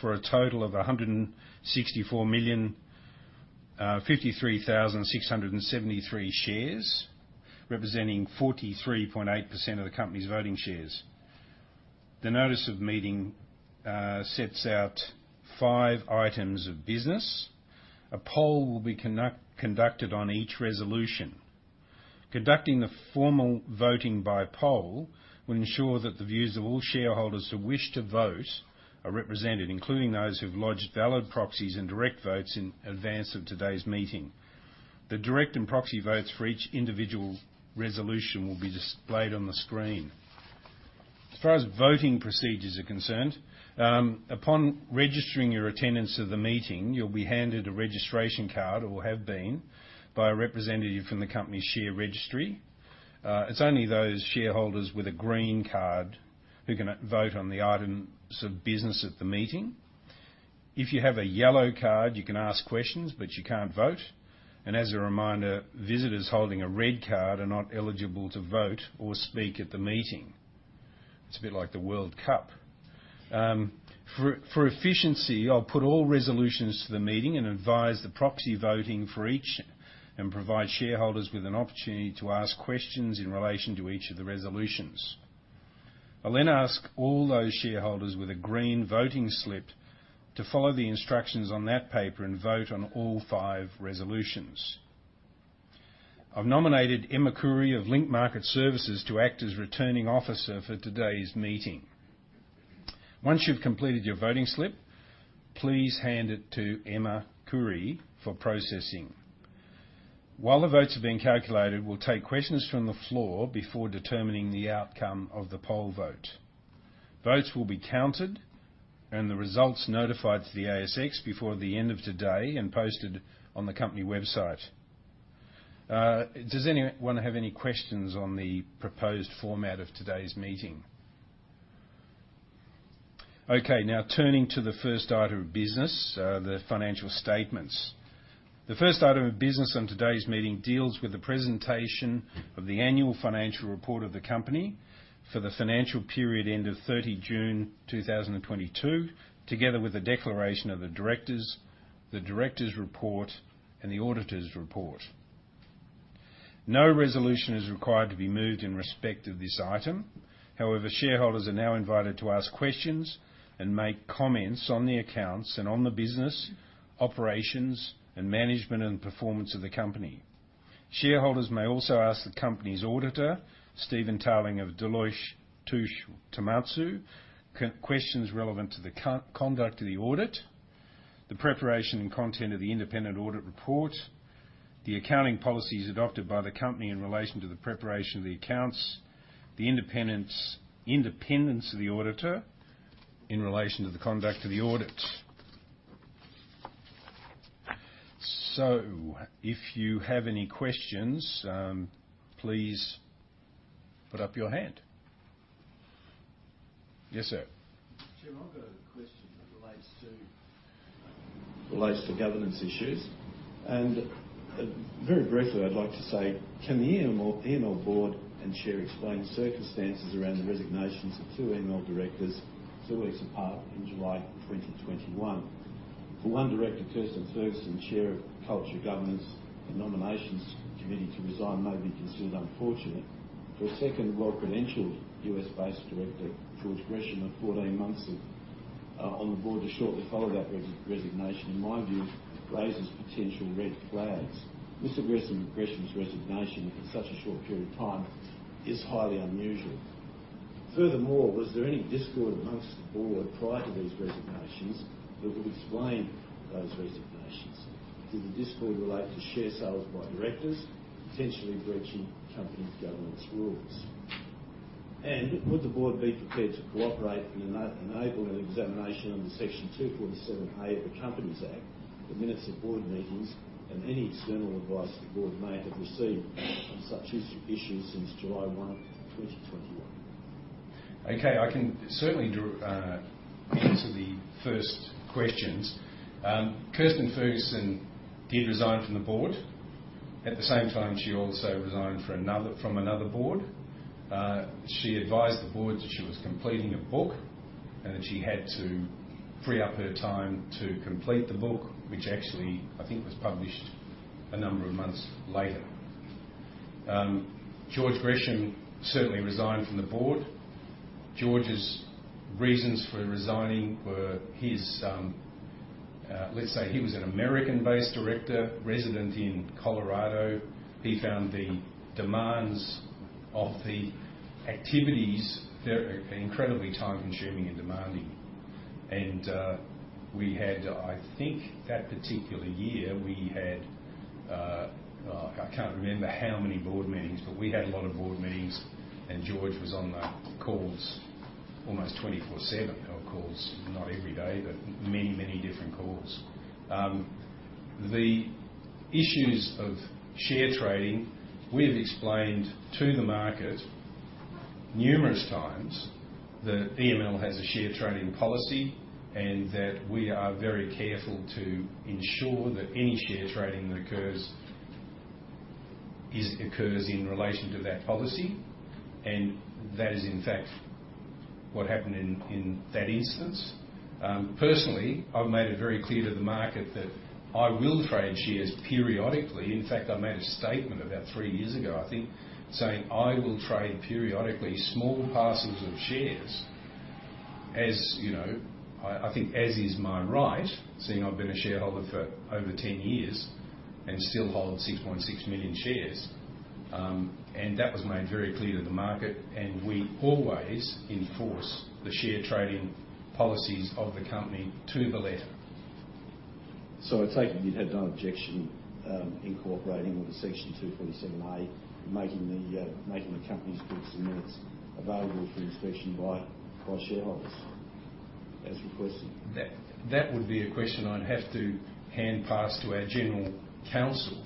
for a total of 164,053,673 shares, representing 43.8% of the company's voting shares. The notice of meeting sets out five items of business. A poll will be conducted on each resolution. Conducting the formal voting by poll will ensure that the views of all shareholders who wish to vote are represented, including those who've lodged valid proxies and direct votes in advance of today's meeting. The direct and proxy votes for each individual resolution will be displayed on the screen. As far as voting procedures are concerned, upon registering your attendance of the meeting, you'll be handed a registration card, or have been, by a representative from the company share registry. It's only those shareholders with a green card who can vote on the items of business at the meeting. If you have a yellow card, you can ask questions, but you can't vote. As a reminder, visitors holding a red card are not eligible to vote or speak at the meeting. It's a bit like the World Cup. For efficiency, I'll put all resolutions to the meeting and advise the proxy voting for each and provide shareholders with an opportunity to ask questions in relation to each of the resolutions. I'll then ask all those shareholders with a green voting slip to follow the instructions on that paper and vote on all five resolutions. I've nominated Emma Curry of Link Market Services to act as Returning Officer for today's meeting. Once you've completed your voting slip, please hand it to Emma Curry for processing. While the votes are being calculated, we'll take questions from the floor before determining the outcome of the poll vote. Votes will be counted and the results notified to the ASX before the end of today and posted on the company website. Does anyone have any questions on the proposed format of today's meeting? Now turning to the first order of business, the financial statements. The first order of business on today's meeting deals with the presentation of the annual financial report of the company for the financial period end of 30 June 2022, together with the declaration of the directors, the director's report and the auditor's report. No resolution is required to be moved in respect of this item. Shareholders are now invited to ask questions and make comments on the accounts and on the business, operations and management and performance of the company. Shareholders may also ask the company's auditor, Stephen Tarling of Deloitte Touche Tohmatsu, questions relevant to the conduct of the audit, the preparation and content of the independent audit report, the accounting policies adopted by the company in relation to the preparation of the accounts, the independence of the auditor in relation to the conduct of the audit. If you have any questions, please put up your hand. Yes, sir. Peter, I've got a question that relates to governance issues. Very briefly, I'd like to say, can the EML board and chair explain circumstances around the resignations of two EML directors two weeks apart in July 2021? For one director, Kirstin Ferguson, Chair of Culture, Governance and nominations committee to resign may be considered unfortunate. For a second well-credentialed U.S.-based director, George Gresham, of 14 months on the board to shortly follow that resignation, in my view, raises potential red flags. Mr. Gresham's resignation in such a short period of time is highly unusual. Was there any discord amongst the board prior to these resignations that would explain those resignations? Did the discord relate to share sales by directors potentially breaching company's governance rules? Would the board be prepared to cooperate in enabling an examination under Section 247A of the Companies Act, the minutes of board meetings and any external advice the board may have received on such issues since July 1, 2021? Okay. I can certainly answer the first questions. Kirstin Ferguson did resign from the board. At the same time, she also resigned from another board. She advised the board that she was completing a book and that she had to free up her time to complete the book, which actually, I think, was published a number of months later. George Gresham certainly resigned from the board. George's reasons for resigning were his, let's say, he was an American-based director, resident in Colorado. He found the demands of the activities there incredibly time-consuming and demanding. We had, I think that particular year, we had, I can't remember how many board meetings, but we had a lot of board meetings, and George was on the calls almost 24/7. Of course, not every day, but many, many different calls. The issues of share trading, we have explained to the market numerous times that EML has a share trading policy and that we are very careful to ensure that any share trading that occurs occurs in relation to that policy. That is, in fact, what happened in that instance. Personally, I've made it very clear to the market that I will trade shares periodically. In fact, I made a statement about three years ago, I think, saying I will trade periodically small parcels of shares. As you know, I think as is my right, seeing I've been a shareholder for over 10 years and still hold 6.6 million shares, and that was made very clear to the market. We always enforce the share trading policies of the company to the letter. I take it you'd have no objection, incorporating with the Section 247A, making the company's books and minutes available for inspection by shareholders as requested. That would be a question I'd have to hand pass to our general counsel.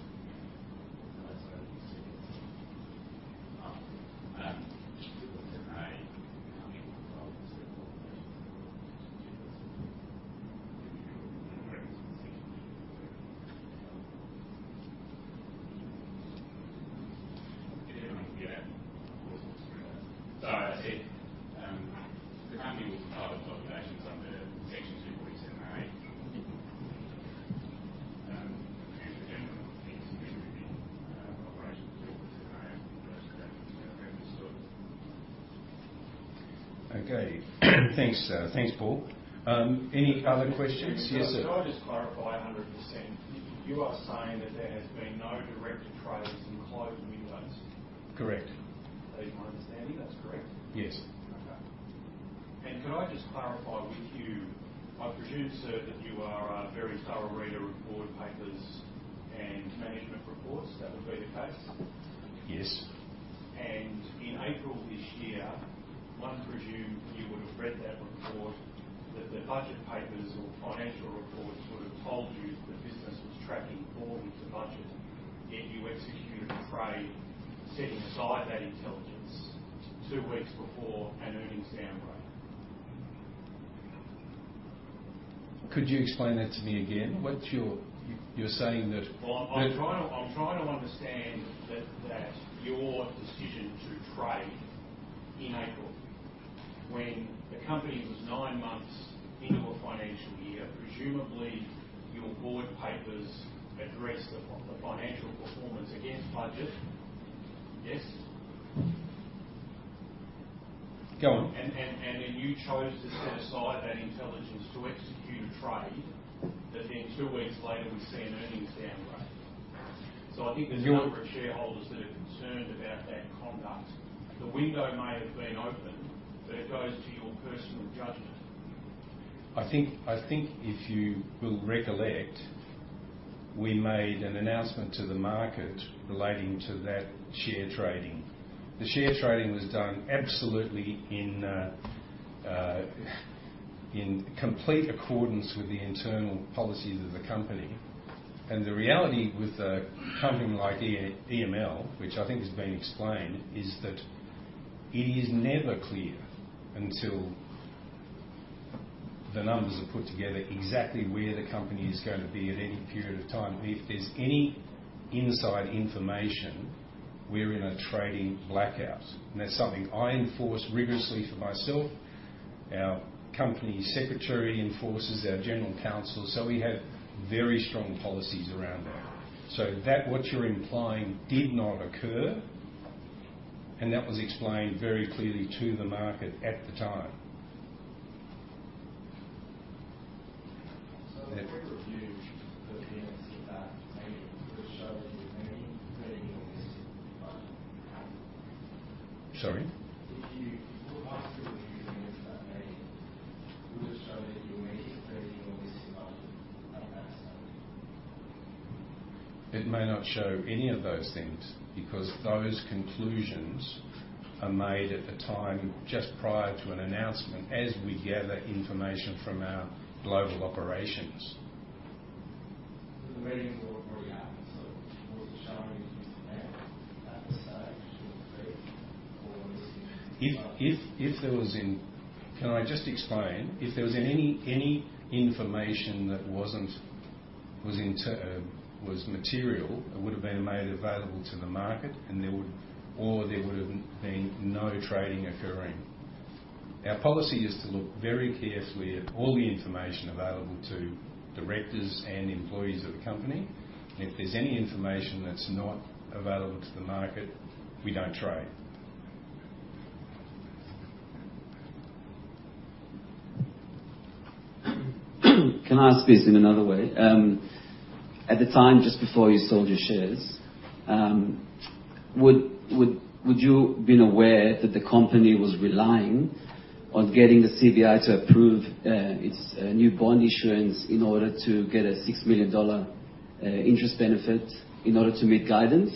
Okay. Thanks, thanks, Paul. Any other questions? Yes, sir. Can I just clarify 100%, you are saying that there has been no director trades in closed windows? Correct. That is my understanding. That's correct? Yes. Okay. Can I just clarify with you, I presume, sir, that you are a very thorough reader of board papers and management reports. That would be the case? Yes. In April this year, one presumed you would have read that report, that the budget papers or financial reports would have told you the business was tracking forward to budget, yet you executed a trade, setting aside that intelligence two weeks before an earnings downgrade. Could you explain that to me again? What's your. You're saying that. Well, I'm trying to understand that your decision to trade in April when the company was nine months into a financial year, presumably your board papers addressed the financial performance against budget. Yes? Go on. You chose to set aside that intelligence to execute a trade that then two weeks later we see an earnings downgrade. I think. A number of shareholders that are concerned about that conduct. The window may have been open, but it goes to your personal judgment. I think if you will recollect, we made an announcement to the market relating to that share trading. The share trading was done absolutely in complete accordance with the internal policies of the company. The reality with a company like EML, which I think has been explained, is that it is never clear until the numbers are put together exactly where the company is gonna be at any period of time. If there's any inside information, we're in a trading blackout. That's something I enforce rigorously for myself. Our company secretary enforces, our general counsel. We have very strong policies around that. That what you're implying did not occur, and that was explained very clearly to the market at the time. A quick review of the minutes of that meeting would have showed that you were making AUD 30 million. Sorry? If you asked to review the minutes of that meeting, would it show that you were making AUD 30 million at that stage? It may not show any of those things because those conclusions are made at the time just prior to an announcement as we gather information from our global operations. The meetings all already happened, so it wasn't showing you used to that at the stage or. Can I just explain? If there was any information that wasn't, was material, it would have been made available to the market, or there would have been no trading occurring. Our policy is to look very carefully at all the information available to directors and employees of the company. If there's any information that's not available to the market, we don't trade. Can I ask this in another way? At the time, just before you sold your shares, would you have been aware that the company was relying on getting the CBI to approve its new bond issuance in order to get a 6 million dollar interest benefit in order to meet guidance?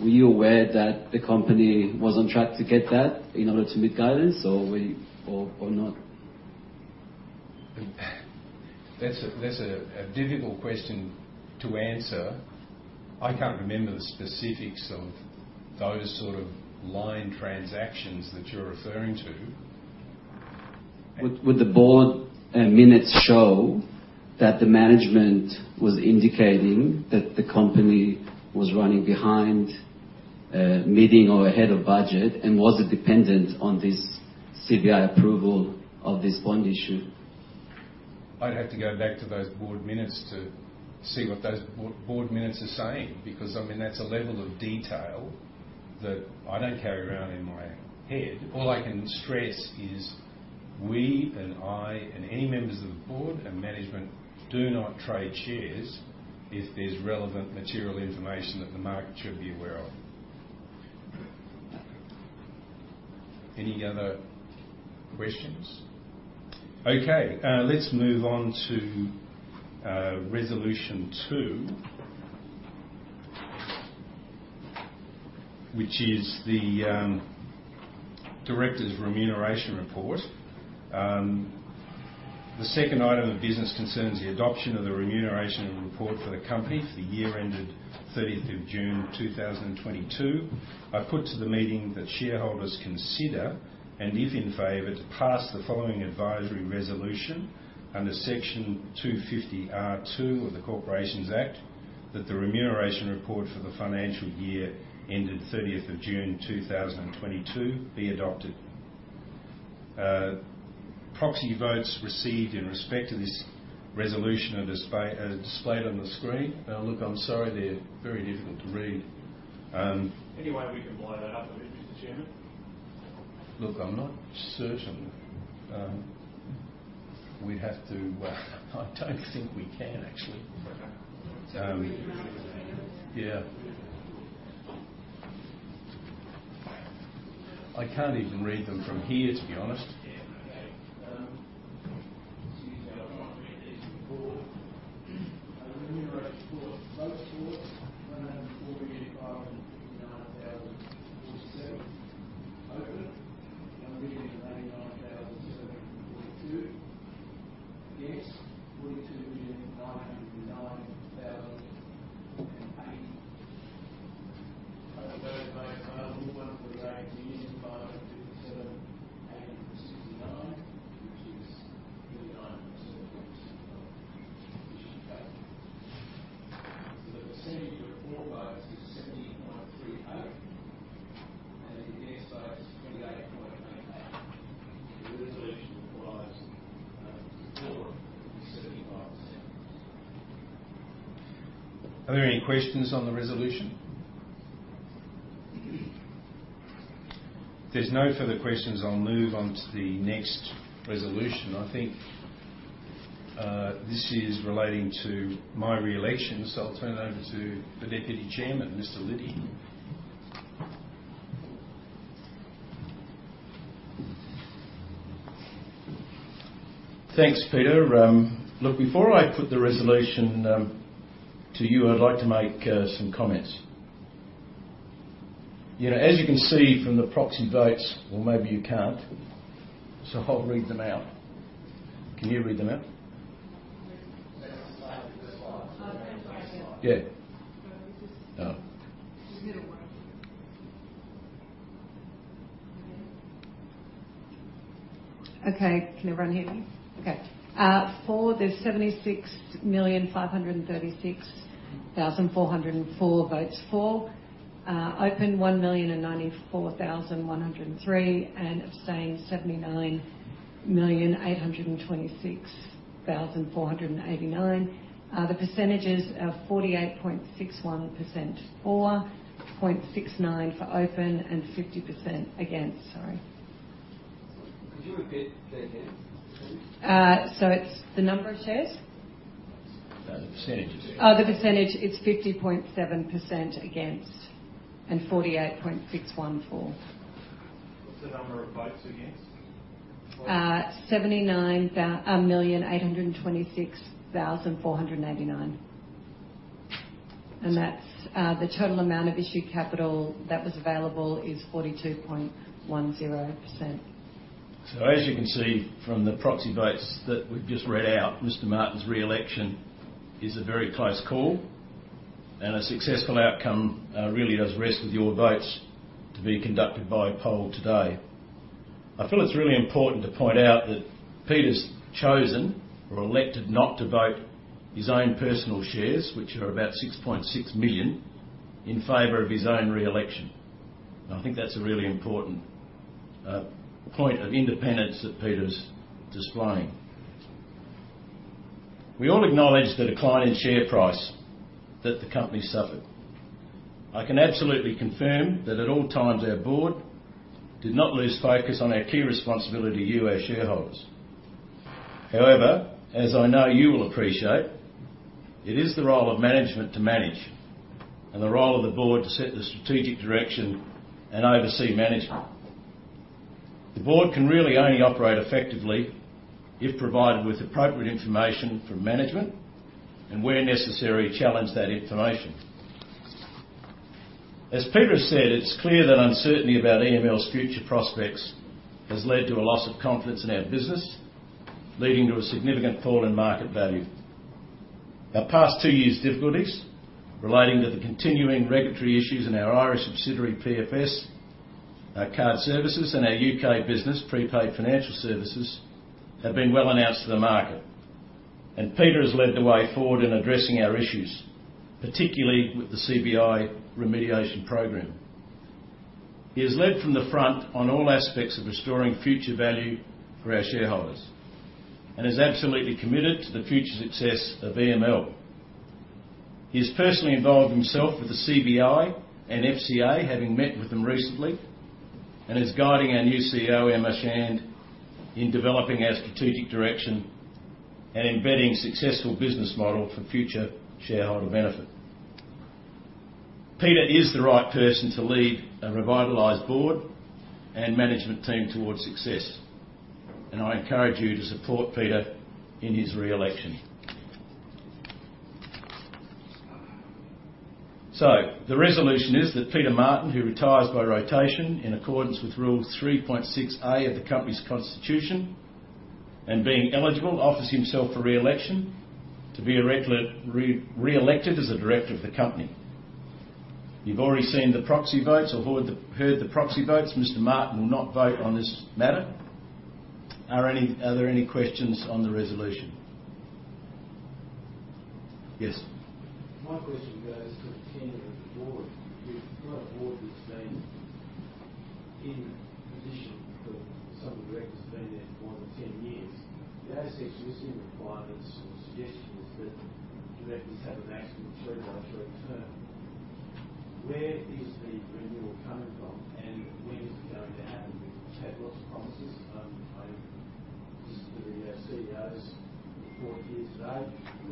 Were you aware that the company was on track to get that in order to meet guidance or were you or not? That's a difficult question to answer. I can't remember the specifics of those sort of line transactions that you're referring to. Would the board, minutes show that the management was indicating that the company was running behind, meeting or ahead of budget, and was it dependent on this CBI approval of this bond issue? I'd have to go back to those board minutes to see what those board minutes are saying, because I mean, that's a level of detail that I don't carry around in my head. All I can stress is we and I, and any members of the board and management do not trade shares if there's relevant material information that the market should be aware of. Any other questions? Okay, let's move on to Resolution 2. Which is the director's remuneration report. The second item of business concerns the adoption of the remuneration report for the company for the year ended 30th of June, 2022. I put to the meeting that shareholders consider, and if in favor, to pass the following advisory resolution under Section 250R(2) of the Corporations Act that the remuneration report for the financial year ended 30th of June 2022 be adopted. Proxy votes received in respect to this resolution are displayed on the screen. Look, I'm sorry, they're very difficult to read. Any way we can blow that up a bit, Mr. Chairman? Look, I'm not certain. I don't think we can actually. Okay. Yeah. I can't even read them from here, to be honest. Yeah, okay. Report. Remuneration report. Votes for, 148,059,047. Open, 1,089,742. Against, 42,909,080. Total votes cast are 148,557,869, which is 39% of issued capital. The percentage of for votes is 70.38%, and against votes is 28.88%. The resolution requires, for 75%. Are there any questions on the resolution? If there's no further questions, I'll move on to the next resolution. I think this is relating to my re-election. I'll turn over to the Deputy Chairman, Mr. Liddy. Thanks, Peter. Look, before I put the resolution to you, I'd like to make some comments. You know, as you can see from the proxy votes, or maybe you can't, I'll read them out. Can you read them out? The slide. Yeah. Oh. Okay. Can everyone hear me? Okay. For there's 76,536,404 votes for. Open, 1,094,103, and abstain, 79,826,489. The percentages are 48.61% for, 0.69% for open, and 50% against. Sorry. Could you repeat that again? It's the number of shares? No, the percentages. Oh, the percentage. It's 50.7% against and 48.61% for. What's the number of votes against? 79,826,489. That's the total amount of issued capital that was available is 42.10%. As you can see from the proxy votes that we've just read out, Mr. Martin's re-election is a very close call, and a successful outcome really does rest with your votes to be conducted by poll today. I feel it's really important to point out that Peter's chosen or elected not to vote his own personal shares, which are about 6.6 million, in favor of his own re-election. I think that's a really important point of independence that Peter's displaying. We all acknowledge the decline in share price that the company suffered. I can absolutely confirm that at all times, our board did not lose focus on our key responsibility to you, our shareholders. However, as I know you will appreciate, it is the role of management to manage and the role of the board to set the strategic direction and oversee management. The board can really only operate effectively if provided with appropriate information from management and, where necessary, challenge that information. As Peter has said, it's clear that uncertainty about EML's future prospects has led to a loss of confidence in our business, leading to a significant fall in market value. Our past two years' difficulties relating to the continuing regulatory issues in our Irish subsidiary, PFS, our card services and our U.K. business, Prepaid Financial Services, have been well announced to the market. Peter has led the way forward in addressing our issues, particularly with the CBI remediation program. He has led from the front on all aspects of restoring future value for our shareholders and is absolutely committed to the future success of EML. He has personally involved himself with the CBI and FCA, having met with them recently, and is guiding our new CEO, Emma Shand, in developing our strategic direction and embedding successful business model for future shareholder benefit. Peter is the right person to lead a revitalized board and management team towards success, and I encourage you to support Peter in his reelection. The resolution is that Peter Martin, who retires by rotation in accordance with Rule 3.6A of the company's constitution and being eligible, offers himself for reelection to be reelected as a director of the company. You've already seen the proxy votes or heard the proxy votes. Mr. Martin will not vote on this matter. Are there any questions on the resolution? Yes. My question goes to the tenure of the board. You've got a board that's been in position for some of the directors have been there for more than 10 years. The ASX listing requirements or suggestions that directors have a maximum of three non-short term. Where is the renewal coming from and when is it going to happen? We've had lots of promises. I, this is for the CEO's report here today.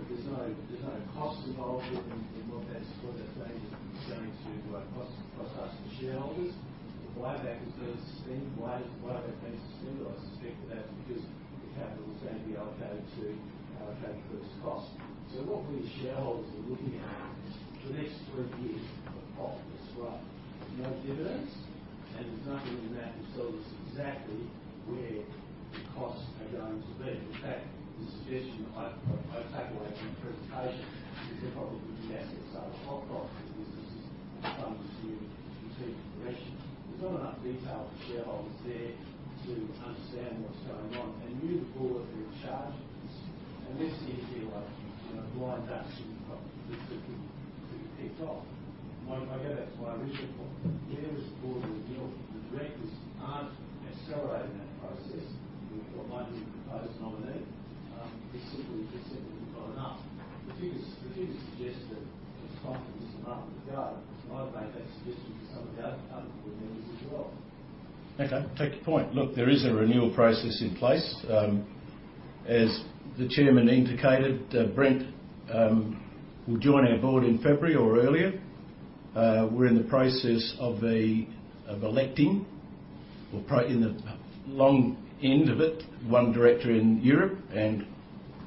There's no costs involved in what that's going to cost us, the shareholders. The buyback is going to suspend. Why has that been suspended? I suspect that's because the capital is going to be allocated to this cost. What we shareholders are looking at for the next 12 years of profit slide. No dividends. There's nothing in that to tell us exactly where the costs are going to be. In fact, the suggestion I take away from the presentation is they're probably going to be asset sale of hot properties. This is funded through continued operations. There's not enough detail for shareholders there to understand what's going on. You, the board, are in charge of this, and this CEO, you know, blind that to the problems that could be picked off. I go back to my original point. If there is a board renewal and the directors aren't accelerating that process with what might be the proposed nominee, it simply not enough. If you could suggest that it's time for Mr. Martin to go, because I've made that suggestion to some of the other board members as well. Okay. I take your point. Look, there is a renewal process in place. As the Chairman indicated, Brent Cubis will join our Board in February or earlier. We're in the process of electing in the long end of it, one director in Europe, and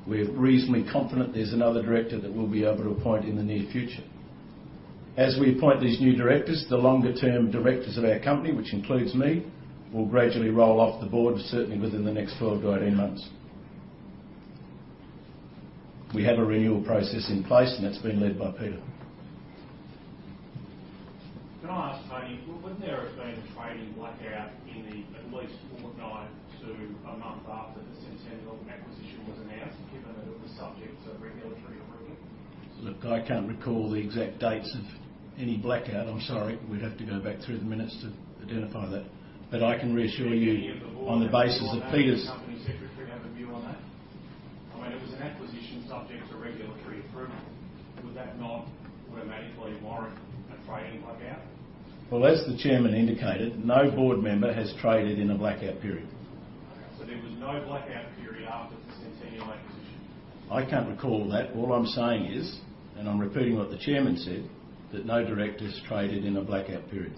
we're reasonably confident there's another director that we'll be able to appoint in the near future. As we appoint these new directors, the longer-term directors of our company, which includes me, will gradually roll off the Board, certainly within the next 12-18 months. We have a renewal process in place, and that's been led by Peter Martin. Can I ask, Tony, wouldn't there have been a trading blackout in the at least fortnight to a month after the Sentenial acquisition was announced, given that it was subject to regulatory approval? Look, I can't recall the exact dates of any blackout. I'm sorry. We'd have to go back through the minutes to identify that. I can reassure you- Any of the board members. On the basis of Peter's- Company secretary have a view on that? I mean, it was an acquisition subject to regulatory approval. Would that not automatically warrant a trading blackout? Well, as the chairman indicated, no board member has traded in a blackout period. there was no blackout period after the Sentenial acquisition? I can't recall that. All I'm saying is, and I'm repeating what the chairman said, that no director's traded in a blackout period.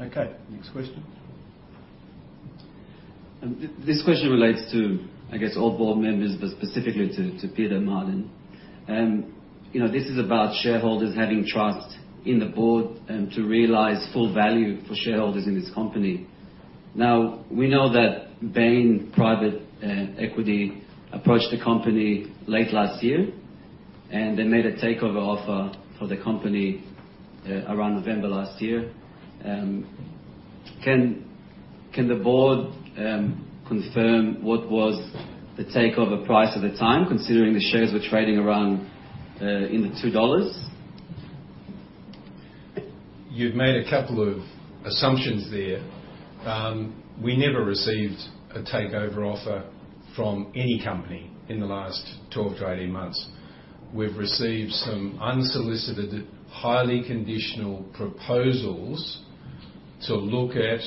Okay, next question. This question relates to, I guess, all board members, but specifically to Peter Martin. You know, this is about shareholders having trust in the board and to realize full value for shareholders in this company. Now, we know that Bain Private Equity approached the company late last year, and they made a takeover offer for the company, around November last year. Can the board confirm what was the takeover price at the time, considering the shares were trading around in the 2 dollars? You've made a couple of assumptions there. We never received a takeover offer from any company in the last 12 to 18 months. We've received some unsolicited, highly conditional proposals to look at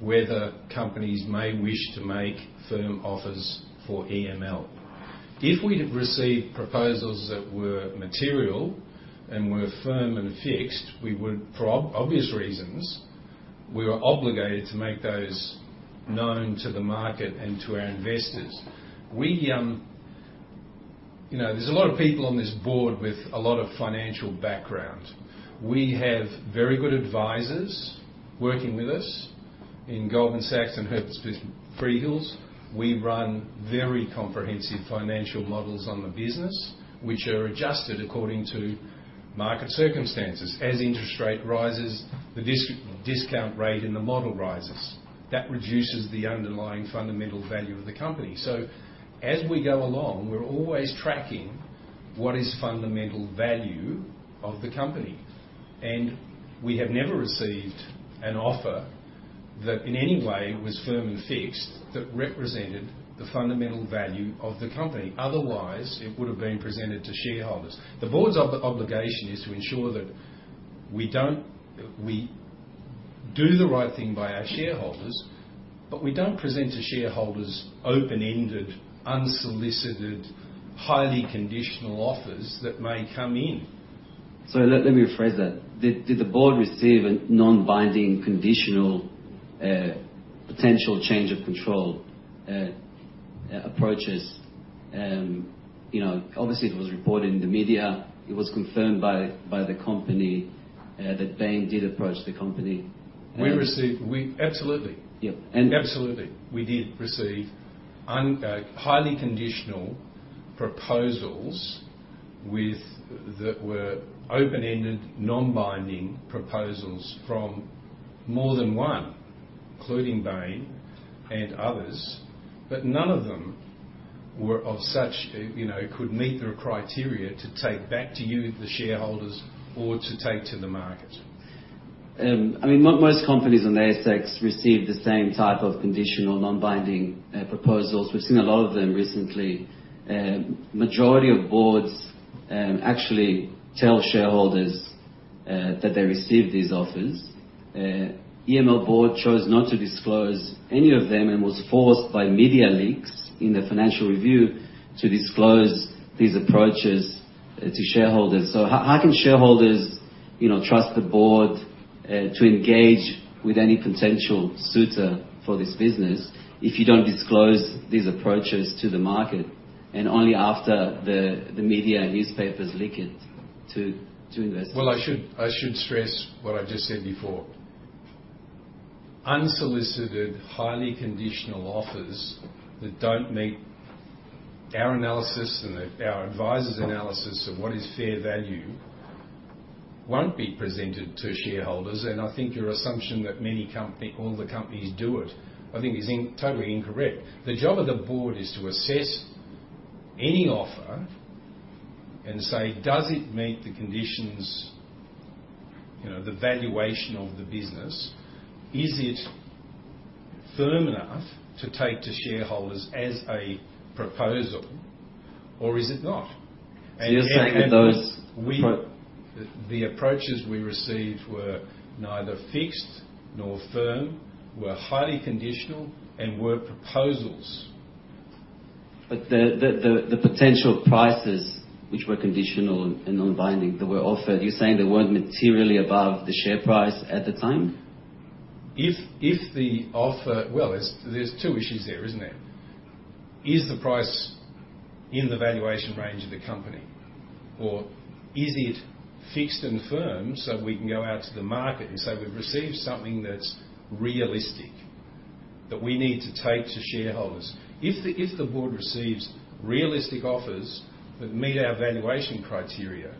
whether companies may wish to make firm offers for EML. If we'd have received proposals that were material and were firm and fixed, we would, for obvious reasons, we were obligated to make those known to the market and to our investors. We, you know, there's a lot of people on this board with a lot of financial background. We have very good advisors working with us in Goldman Sachs and Herbert Smith Freehills. We run very comprehensive financial models on the business, which are adjusted according to market circumstances. As interest rate rises, the discount rate in the model rises. That reduces the underlying fundamental value of the company. As we go along, we're always tracking. What is fundamental value of the company? We have never received an offer that in any way was firm and fixed, that represented the fundamental value of the company. It would have been presented to shareholders. The board's obligation is to ensure that we don't. We do the right thing by our shareholders, but we don't present to shareholders open-ended, unsolicited, highly conditional offers that may come in. Let me rephrase that. Did the board receive a non-binding, conditional, potential change of control, approaches? You know, obviously, it was reported in the media. It was confirmed by the company that Bain did approach the company. Absolutely. Yeah. Absolutely. We did receive highly conditional proposals that were open-ended, non-binding proposals from more than one, including Bain and others, but none of them were of such, you know, could meet the criteria to take back to you, the shareholders, or to take to the market. I mean, most companies on ASX receive the same type of conditional, non-binding proposals. We've seen a lot of them recently. Majority of boards actually tell shareholders that they received these offers. EML board chose not to disclose any of them and was forced by media leaks in the Financial Review to disclose these approaches to shareholders. How can shareholders, you know, trust the board to engage with any potential suitor for this business if you don't disclose these approaches to the market and only after the media and newspapers leak it to investors? Well, I should stress what I just said before. Unsolicited, highly conditional offers that don't meet our analysis and our advisor's analysis of what is fair value won't be presented to shareholders. I think your assumption that all the companies do it, I think is totally incorrect. The job of the board is to assess any offer and say, "Does it meet the conditions, you know, the valuation of the business? Is it firm enough to take to shareholders as a proposal or is it not? You're saying that those. The approaches we received were neither fixed nor firm, were highly conditional and were proposals. The potential prices which were conditional and non-binding that were offered, you're saying they weren't materially above the share price at the time? If the offer. Well, there's two issues there, isn't there? Is the price in the valuation range of the company, or is it fixed and firm so we can go out to the market and say, "We've received something that's realistic that we need to take to shareholders"? If the board receives realistic offers that meet our valuation criteria,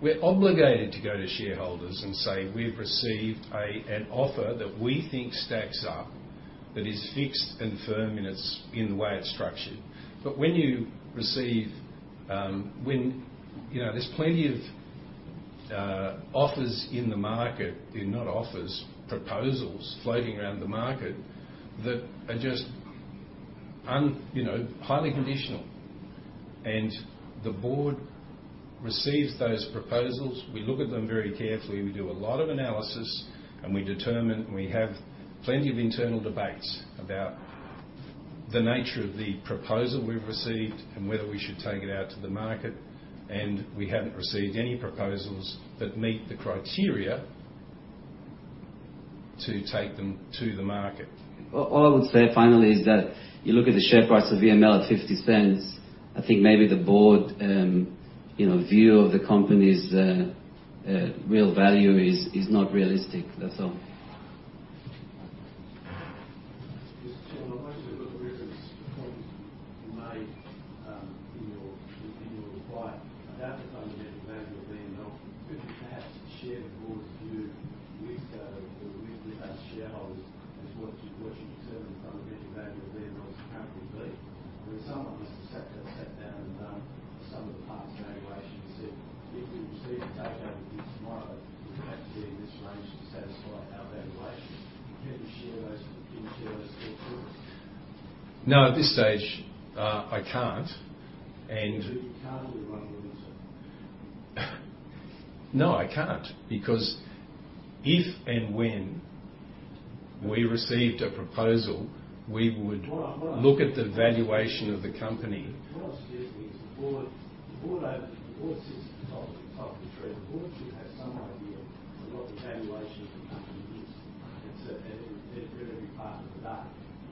we're obligated to go to shareholders and say, "We've received an offer that we think stacks up, that is fixed and firm in the way it's structured." When you receive, you know, there's plenty of offers in the market. Not offers, proposals floating around the market that are just, you know, highly conditional. The board receives those proposals. We look at them very carefully. We do a lot of analysis, we determine, and we have plenty of internal debates about the nature of the proposal we've received and whether we should take it out to the market. We haven't received any proposals that meet the criteria to take them to the market. All I would say finally is that you look at the share price of EML at 0.50. I think maybe the board, you know, view of the company's real value is not realistic. That's all.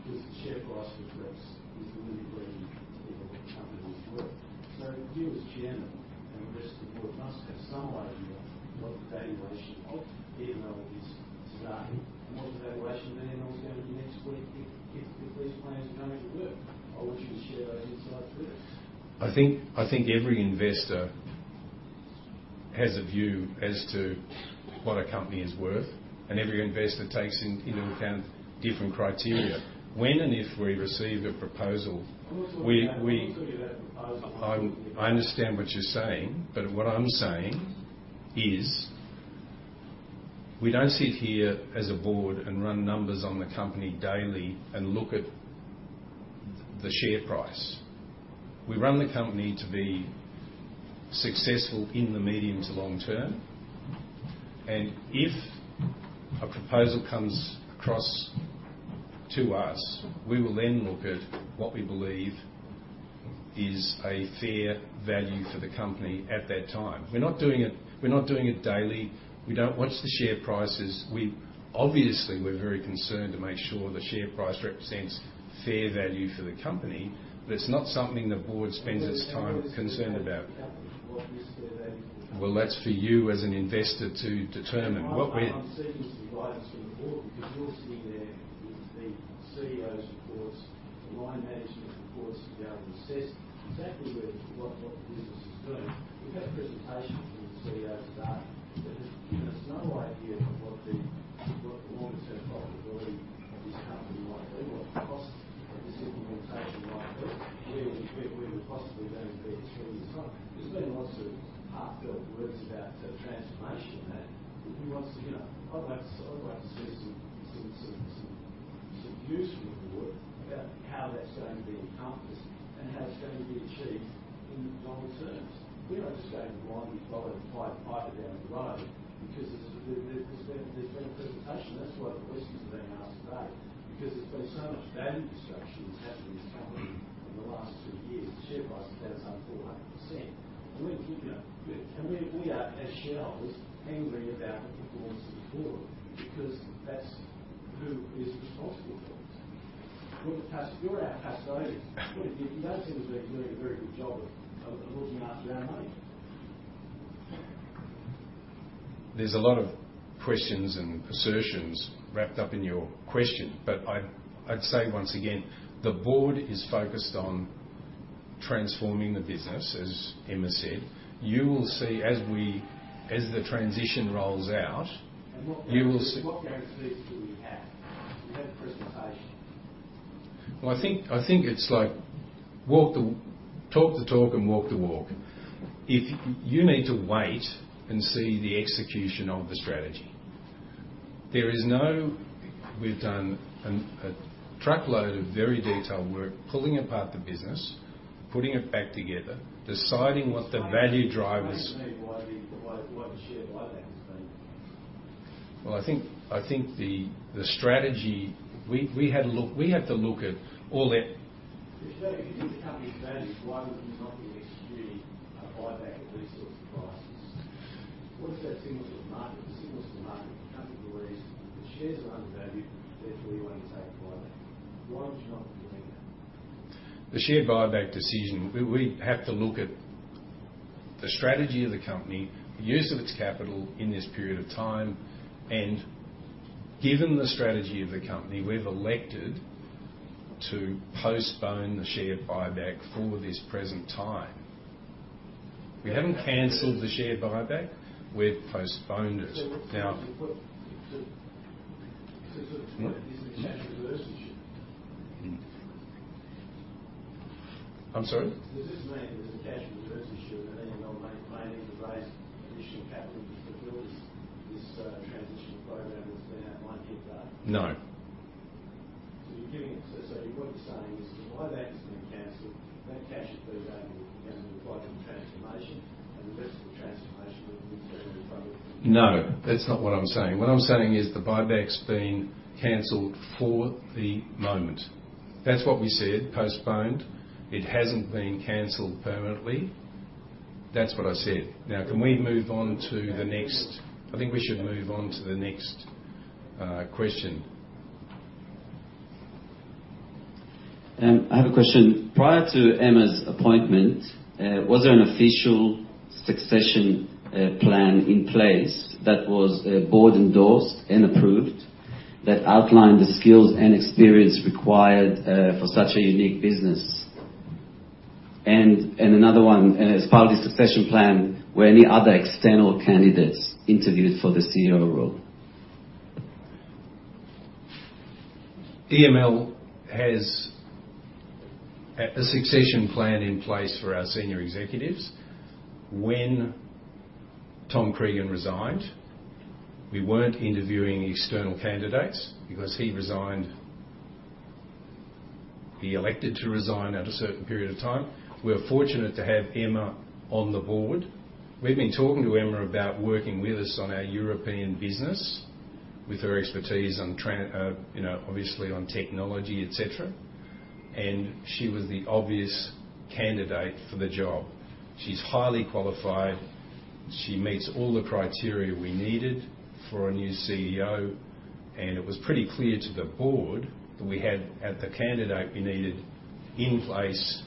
because the share price reflects, is the living breathing of a company's worth. You as chairman and the rest of the board must have some idea of what the valuation of EML is today and what the valuation of EML is going to be next week if these plans are going to work. I want you to share those insights with us. I think every investor has a view as to what a company is worth, and every investor takes into account different criteria. When and if we receive a proposal, we understand what you're saying, but what I'm saying is we don't sit here as a board and run numbers on the company daily and look at the share price. We run the company to be successful in the medium to long term. If a proposal comes across to us, we will then look at what we believe is a fair value for the company at that time. We're not doing it, we're not doing it daily. We don't watch the share prices. Obviously, we're very concerned to make sure the share price represents fair value for the company, but it's not something the board spends its time concerned about. What is fair value for the company? Well, that's for you as an investor to determine. I'm seeking some guidance from the board because you're sitting there with the CEO's reports, the line management reports to be able to assess exactly where what the business is doing. We've had presentations from the CEO today that has given us no idea of what the long-term profitability of this company might be, what the costs of this implementation might be, where the costs are going to be in three years' time. There's been lots of heartfelt words about the transformation. He wants to, you know. I'd like to see some use from the board about how that's going to be accomplished and how it's going to be achieved in longer terms. We're not just going to blindly follow piper down the road because there's been a presentation. That's why the questions are being asked today, because there's been so much value destruction that's happened in this company in the last two years. The share price is down some 400%. We, you know, we are, as shareholders, angry about the performance of the board because that's who is responsible for this. You're our custodians. You don't seem to be doing a very good job of looking after our money. There's a lot of questions and assertions wrapped up in your question. I'd say once again, the board is focused on transforming the business, as Emma said. You will see as the transition rolls out... What guarantees do we have? We've had a presentation. I think it's like talk the talk and walk the walk. If you need to wait and see the execution of the strategy. There is no. We've done a truckload of very detailed work, pulling apart the business, putting it back together, deciding what the value drivers. Explain to me why the share buyback has been canceled? I think the strategy. We had to look. If you believe in this company's value, why would you not be executing a buyback at these sorts of prices? What does that signal to the market? It signals to the market the company believes that the shares are undervalued, therefore, you want to take a buyback. Why would you not be doing that? The share buyback decision, we have to look at the strategy of the company, the use of its capital in this period of time. Given the strategy of the company, we've elected to postpone the share buyback for this present time. We haven't canceled the share buyback. We've postponed it. I'm sorry? Does this mean there's a cash reverse issue and EML may need to raise additional capital just to build this transition program that's been outlined here today? No. What you're saying is the buyback has been canceled. That cash is being allocated to the buyback transformation. The rest of the transformation will need to be funded. No, that's not what I'm saying. What I'm saying is the buyback's been canceled for the moment. That's what we said, postponed. It hasn't been canceled permanently. That's what I said. I think we should move on to the next question. I have a question. Prior to Emma's appointment, was there an official succession, plan in place that was, board endorsed and approved that outlined the skills and experience required, for such a unique business? Another one. As part of the succession plan, were any other external candidates interviewed for the CEO role? EML has a succession plan in place for our senior executives. When Tom Cregan resigned, we weren't interviewing external candidates because he resigned. He elected to resign at a certain period of time. We are fortunate to have Emma on the board. We've been talking to Emma about working with us on our European business with her expertise on you know, obviously on technology, et cetera. She was the obvious candidate for the job. She's highly qualified. She meets all the criteria we needed for a new CEO. It was pretty clear to the board that we had the candidate we needed in place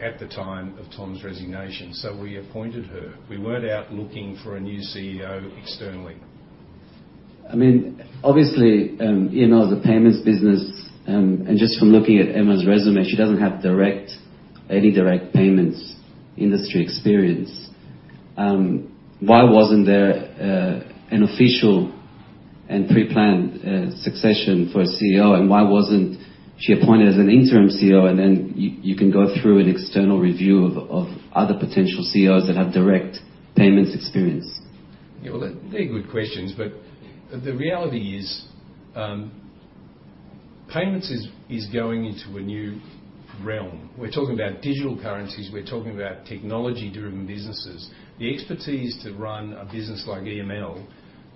at the time of Tom's resignation. We appointed her. We weren't out looking for a new CEO externally. I mean, obviously, you know, the payments business, and just from looking at Emma's resume, she doesn't have direct, any direct payments industry experience. Why wasn't there an official and pre-planned succession for CEO, and why wasn't she appointed as an interim CEO and then you can go through an external review of other potential CEOs that have direct payments experience? Well, they're good questions, the reality is, payments is going into a new realm. We're talking about digital currencies. We're talking about technology-driven businesses. The expertise to run a business like EML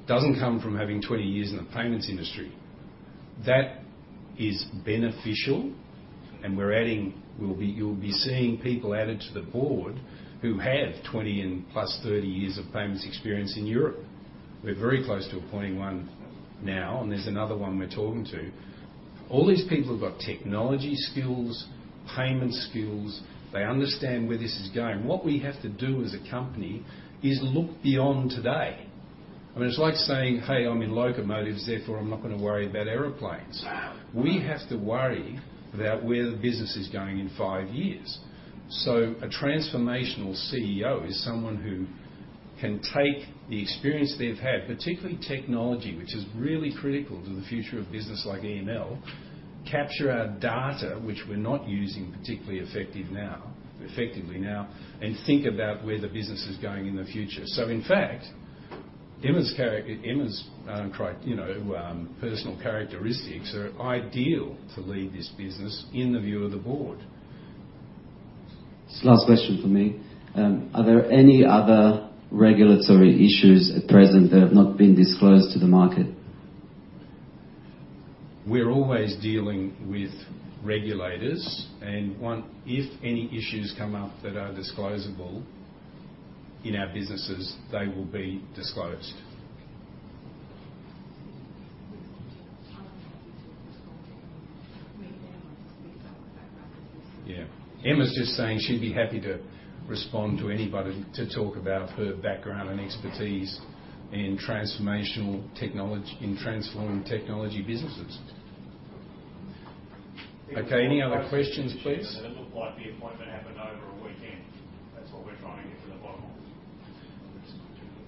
doesn't come from having 20 years in the payments industry. That is beneficial, you'll be seeing people added to the board who have 20 and +30 years of payments experience in Europe. We're very close to appointing one now, and there's another one we're talking to. All these people have got technology skills, payment skills. They understand where this is going. What we have to do as a company is look beyond today. I mean, it's like saying, "Hey, I'm in locomotives, therefore, I'm not gonna worry about airplanes." We have to worry about where the business is going in five years. A transformational CEO is someone who can take the experience they've had, particularly technology, which is really critical to the future of business like EML, capture our data, which we're not using particularly effectively now, and think about where the business is going in the future. In fact, Emma's, you know, personal characteristics are ideal to lead this business in the view of the board. It's the last question for me. Are there any other regulatory issues at present that have not been disclosed to the market? We're always dealing with regulators, if any issues come up that are disclosable in our businesses, they will be disclosed. Yeah. Emma's just saying she'd be happy to respond to anybody to talk about her background and expertise in transforming technology businesses. Okay, any other questions, please? It looked like the appointment happened over a weekend. That's what we're trying to get to the bottom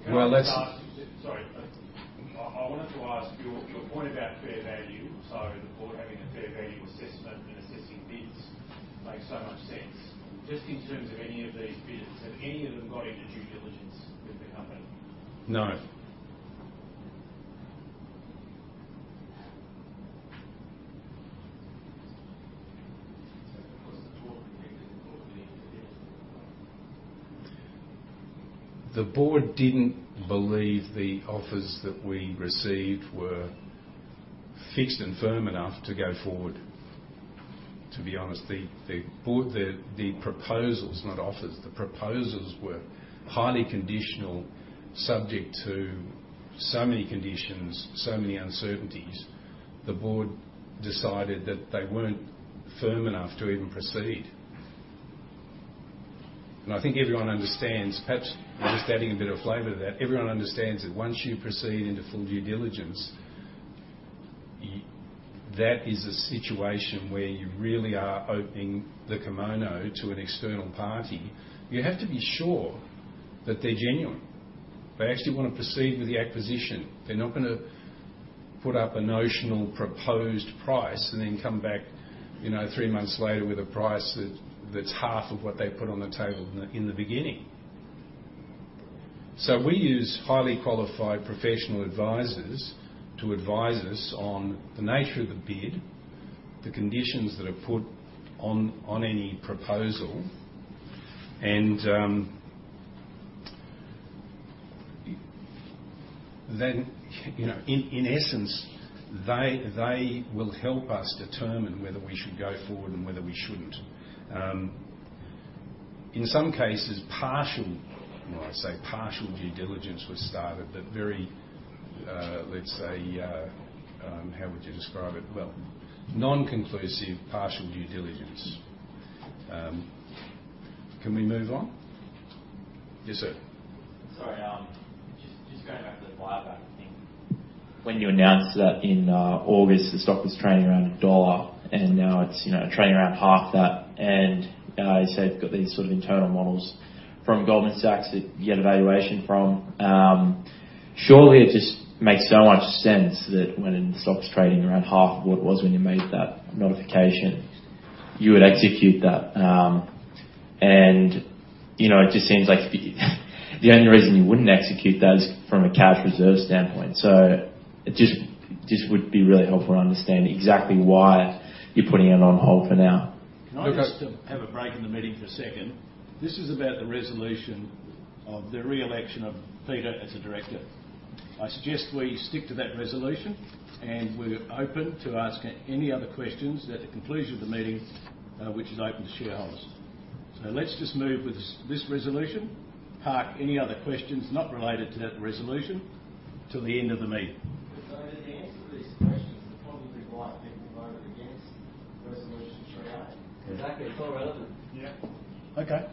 of. Well. Sorry. I wanted to ask your point about fair value. The board having a fair value assessment and assessing bids makes so much sense. Just in terms of any of these bids, have any of them got into due diligence with the company? No. The board didn't believe the offers that we received were fixed and firm enough to go forward. To be honest, the board, the proposals, not offers, the proposals were highly conditional, subject to so many conditions, so many uncertainties. The board decided that they weren't firm enough to even proceed. I think everyone understands. Perhaps I'm just adding a bit of flavor to that. Everyone understands that once you proceed into full due diligence, that is a situation where you really are opening the kimono to an external party. You have to be sure that they're genuine. They actually wanna proceed with the acquisition. They're not gonna put up a notional proposed price and then come back, you know, three months later with a price that's half of what they put on the table in the beginning. We use highly qualified professional advisors to advise us on the nature of the bid, the conditions that are put on any proposal, and, you know, in essence, they will help us determine whether we should go forward and whether we shouldn't. In some cases, partial, well, I say partial due diligence was started, but very, let's say, how would you describe it? Well, non-conclusive partial due diligence. Can we move on? Yes, sir. Sorry. just going back to the buyback thing. When you announced that in August, the stock was trading around AUD 1, and now it's, you know, trading around half that. You said you've got these sort of internal models from Goldman Sachs that you had evaluation from. Surely it just makes so much sense that when stock's trading around half of what it was when you made that notification, you would execute that. You know, it just seems like the only reason you wouldn't execute that is from a cash reserve standpoint. It just would be really helpful to understand exactly why you're putting it on hold for now. Can I just have a break in the meeting for a second? This is about the resolution of the reelection of Peter as a director. I suggest we stick to that resolution. We're open to asking any other questions at the conclusion of the meeting, which is open to shareholders. Let's just move with this resolution. Park any other questions not related to that resolution till the end of the meeting. The answer is. You might be voted against resolution 3A. Exactly. It's not relevant. Yeah. Okay.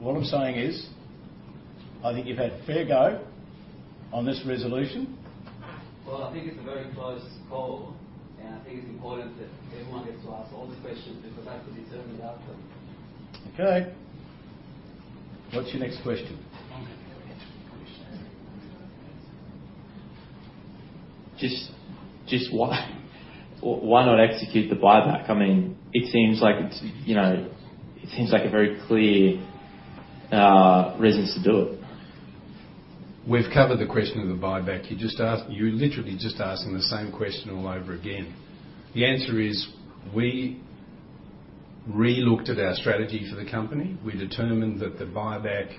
What I'm saying is, I think you've had a fair go on this resolution. Well, I think it's a very close call, and I think it's important that everyone gets to ask all the questions because that could determine the outcome. Okay. What's your next question? Just why? Why not execute the buyback? I mean, it seems like it's, you know. It seems like a very clear reason to do it. We've covered the question of the buyback. You're literally just asking the same question all over again. The answer is, we relooked at our strategy for the company. We determined that the buyback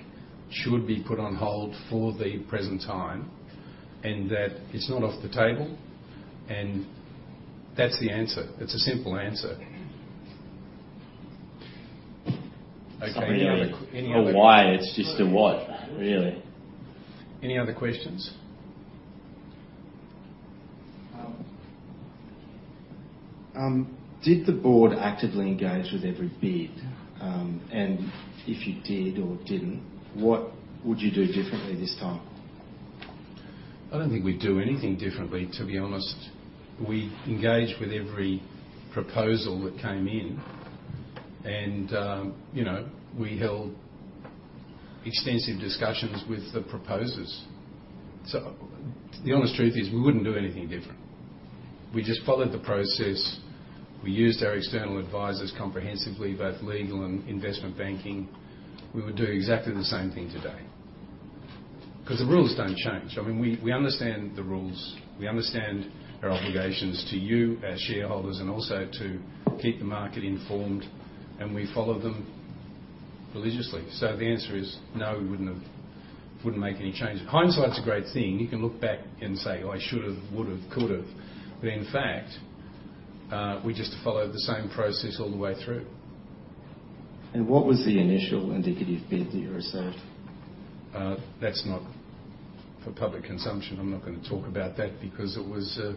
should be put on hold for the present time, and that it's not off the table, and that's the answer. It's a simple answer. It's not really a why. Any other? It's just a what, really. Any other questions? Did the board actively engage with every bid? If you did or didn't, what would you do differently this time? I don't think we'd do anything differently, to be honest. We engaged with every proposal that came in and, you know, we held extensive discussions with the proposers. The honest truth is, we wouldn't do anything different. We just followed the process. We used our external advisors comprehensively, both legal and investment banking. We would do exactly the same thing today. 'Cause the rules don't change. I mean, we understand the rules. We understand our obligations to you as shareholders and also to keep the market informed, and we follow them religiously. The answer is no, wouldn't make any change. Hindsight's a great thing. You can look back and say, "Oh, I should've, would've, could've." In fact, we just followed the same process all the way through. What was the initial indicative bid that you received? That's not for public consumption. I'm not gonna talk about that because it was a,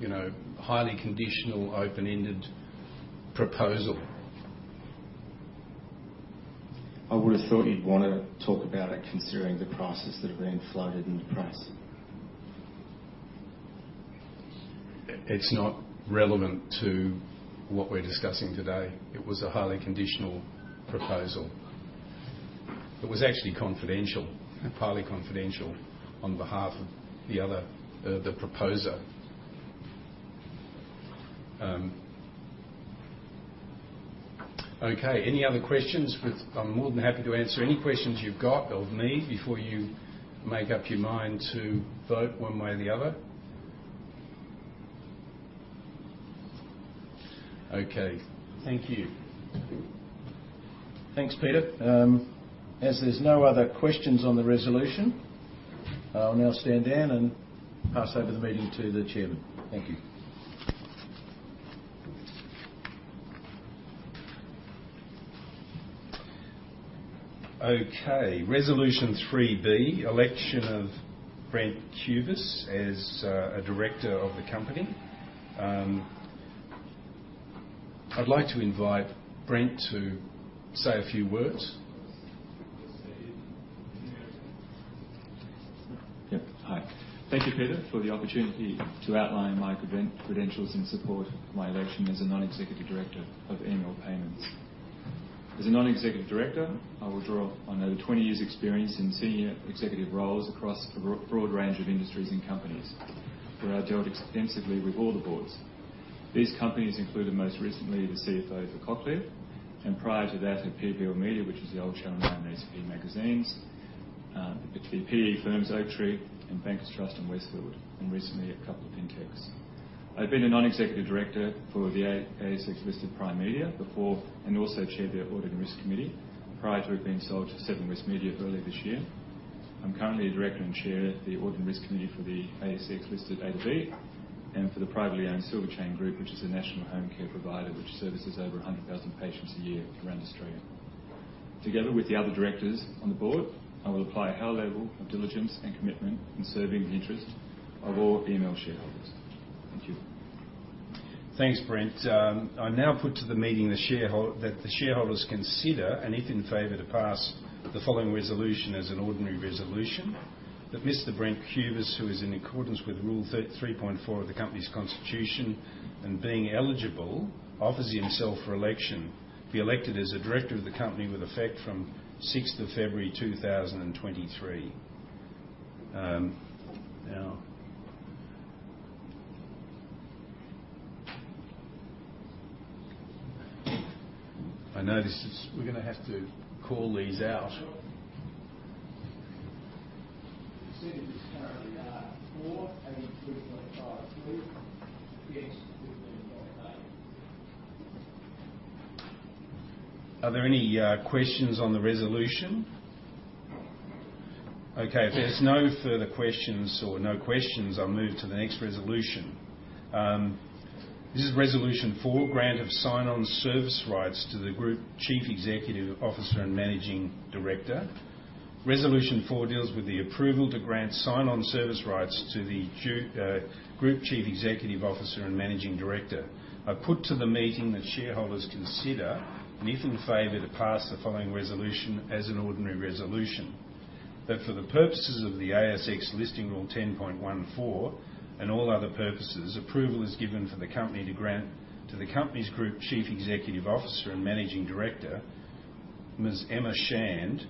you know, highly conditional, open-ended proposal. I would've thought you'd wanna talk about it, considering the prices that have been floated in the press. It's not relevant to what we're discussing today. It was a highly conditional proposal. It was actually confidential, highly confidential, on behalf of the other, the proposer. Any other questions? I'm more than happy to answer any questions you've got of me before you make up your mind to vote one way or the other. Thank you. Thanks, Peter. As there's no other questions on the resolution, I'll now stand down and pass over the meeting to the chairman. Thank you. Resolution 3B, Election of Brent Cubis as a director of the company. I'd like to invite Brent to say a few words. Yep. Hi. Thank you, Peter, for the opportunity to outline my credentials and support my election as a non-executive director of EML Payments. As a non-executive director, I will draw on over 20 years' experience in senior executive roles across a broad range of industries and companies, where I dealt extensively with all the boards. These companies included, most recently, the CFO for Cochlear, and prior to that, at PBL Media, which is the old Channel Nine ACP Magazines, the PE firms Oaktree and Bankers Trust and Westfield, and recently, a couple of fintechs. I've been a non-executive director for the ASX-listed Prime Media before, and also chaired their Audit and Risk Committee prior to it being sold to Seven West Media earlier this year. I'm currently a director and chair of the Audit and Risk Committee for the ASX-listed Adacel, and for the privately-owned Silver Chain Group, which is a national home care provider which services over 100,000 patients a year around Australia. Together with the other directors on the board, I will apply a high level of diligence and commitment in serving the interest of all EML shareholders. Thank you. Thanks, Brent. I now put to the meeting that the shareholders consider, and if in favor, to pass the following resolution as an ordinary resolution: That Mr. Brent Cubis, who is in accordance with Rule 3.4 of the company's constitution, and being eligible, offers himself for election, be elected as a director of the company with effect from 6th of February, 2023. Now I notice it's We're gonna have to call these out. Percentage is currently at 4.52%. Yes, 15.8%. Are there any questions on the resolution? If there's no further questions or no questions, I'll move to the next resolution. This is Resolution 4, Grant of Sign-on Service Rights to the Group Chief Executive Officer and Managing Director. Resolution 4 deals with the approval to grant sign-on service rights to the Group Chief Executive Officer and Managing Director. I put to the meeting that shareholders consider, and if in favor, to pass the following resolution as an ordinary resolution. For the purposes of the ASX Listing Rule 10.14, and all other purposes, approval is given for the company to grant to the company's Group Chief Executive Officer and Managing Director Ms. Emma Shand,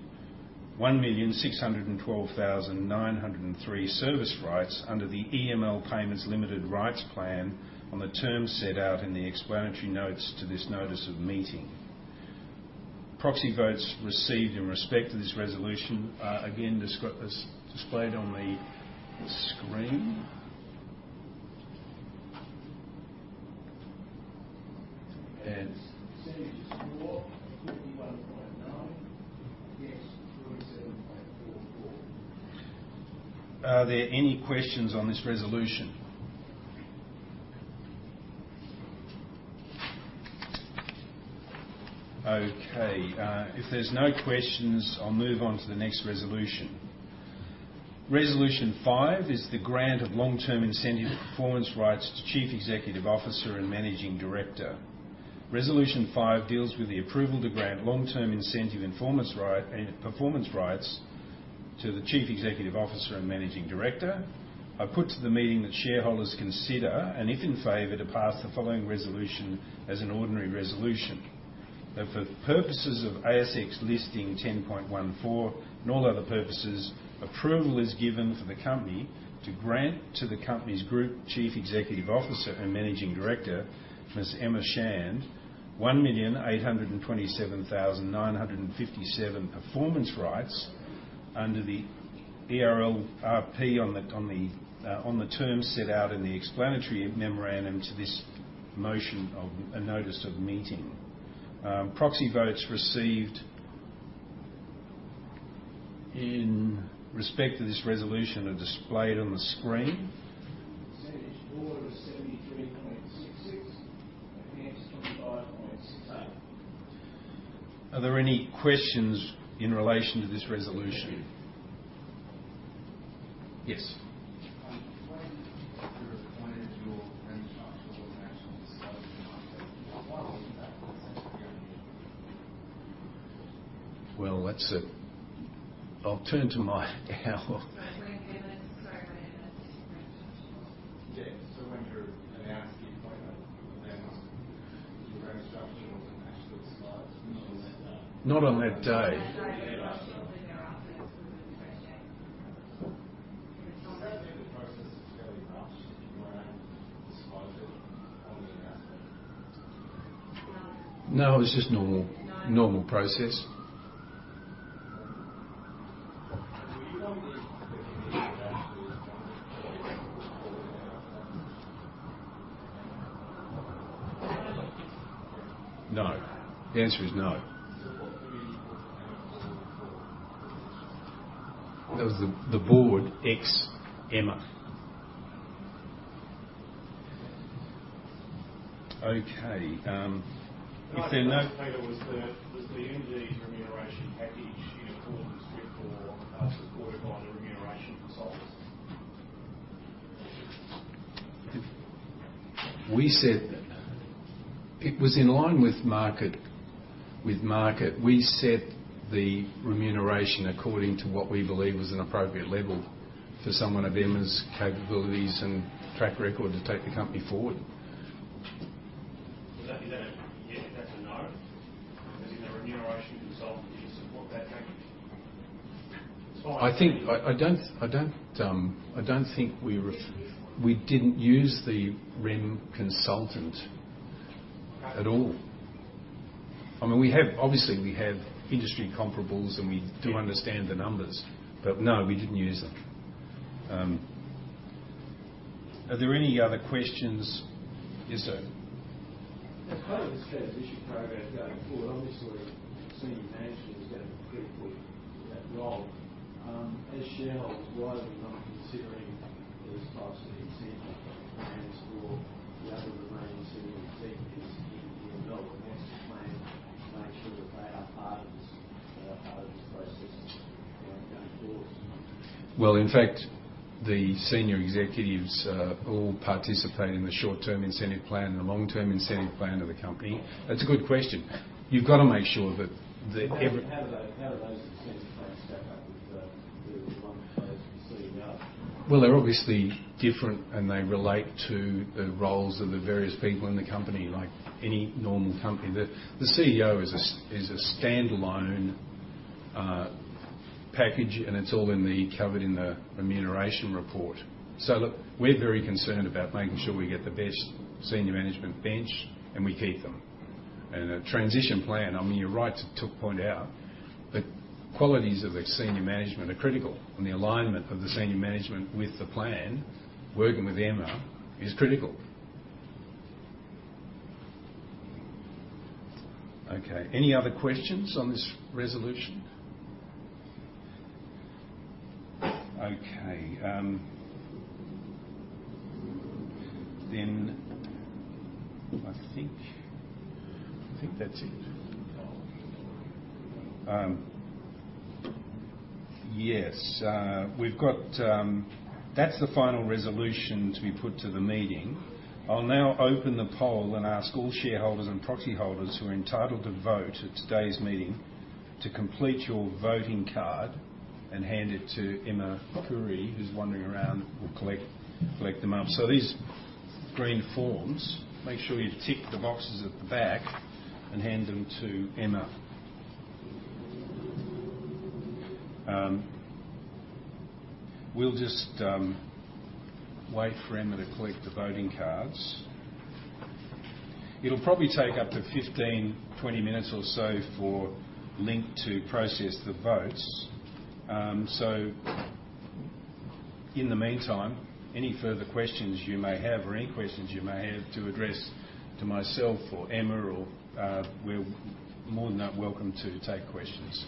1,612,903 service rights under the EML Payments Limited rights plan on the terms set out in the explanatory notes to this notice of meeting. Proxy votes received in respect to this resolution are again displayed on the screen. Percentage for, 51.9%. Against, 27.44%. Are there any questions on this resolution? Okay, if there's no questions, I'll move on to the next resolution. Resolution 5 is the grant of long-term incentive performance rights to Chief Executive Officer and Managing Director. Resolution 5 deals with the approval to grant long-term incentive performance rights to the Chief Executive Officer and Managing Director. I put to the meeting that shareholders consider, if in favor, to pass the following resolution as an ordinary resolution. For the purposes of ASX Listing Rule 10.14, all other purposes, approval is given for the company to grant to the company's Group Chief Executive Officer and Managing Director, Ms. Emma Shand, 1,827,957 performance rights under the ERLRP on the terms set out in the explanatory memorandum to this motion of a notice of meeting. Proxy votes received in respect to this resolution are displayed on the screen. Percentage for is 73.66%. Against, 25.68%. Are there any questions in relation to this resolution? Yes. When you appointed your restructuring was actually started in the market. What was the impact of the sensitivity? Well, that's. I'll turn to our. When did the restructuring start? Yeah. When you announced the appointment, when was the restructuring or the actual start of that? Not on that day. No, no. Was there any process to tell your market you were going to disclose it on the announcement? No. No, it's just normal. No. Normal process. [inaudible] No. The answer is no. What were you looking out for positions? That was the board ex Emma. Okay, if there are Can I just, Peter, was the MD's remuneration package in accordance with or supported by the remuneration consult? It was in line with market. We set the remuneration according to what we believe was an appropriate level for someone of Emma's capabilities and track record to take the company forward. That, is that a yes? That's a no? I mean, the remuneration consult, did you support that package? I think, I don't think we. Did you use one? We didn't use the REM consultant at all. I mean, we have, obviously we have industry comparables, and we do understand the numbers, but no, we didn't use them. Are there any other questions? Yes, sir. As part of this transition program going forward, obviously senior management is going to be critical to that role. As shareholders, why are we not considering these types of incentive plans for the other remaining senior executives in development plan to make sure that they are part of this, part of this process going forward? Well, in fact, the senior executives, all participate in the short-term incentive plan and the long-term incentive plan of the company. That's a good question. You've got to make sure that How do those incentive plans stack up with the one for the CEO? They're obviously different, and they relate to the roles of the various people in the company, like any normal company. The CEO is a standalone package, and it's all in the, covered in the remuneration report. Look, we're very concerned about making sure we get the best senior management bench, and we keep them. A transition plan, I mean, you're right to point out, the qualities of the senior management are critical, and the alignment of the senior management with the plan, working with Emma, is critical. Okay, any other questions on this resolution? Okay, I think that's it. Yes. That's the final resolution to be put to the meeting. I'll now open the poll and ask all shareholders and proxy holders who are entitled to vote at today's meeting to complete your voting card and hand it to Emma Curry, who's wandering around, will collect them up. These green forms, make sure you tick the boxes at the back and hand them to Emma. We'll just wait for Emma to collect the voting cards. It'll probably take up to 15, 20 minutes or so for Link to process the votes. In the meantime, any further questions you may have or any questions you may have to address to myself or Emma or we're more than welcome to take questions.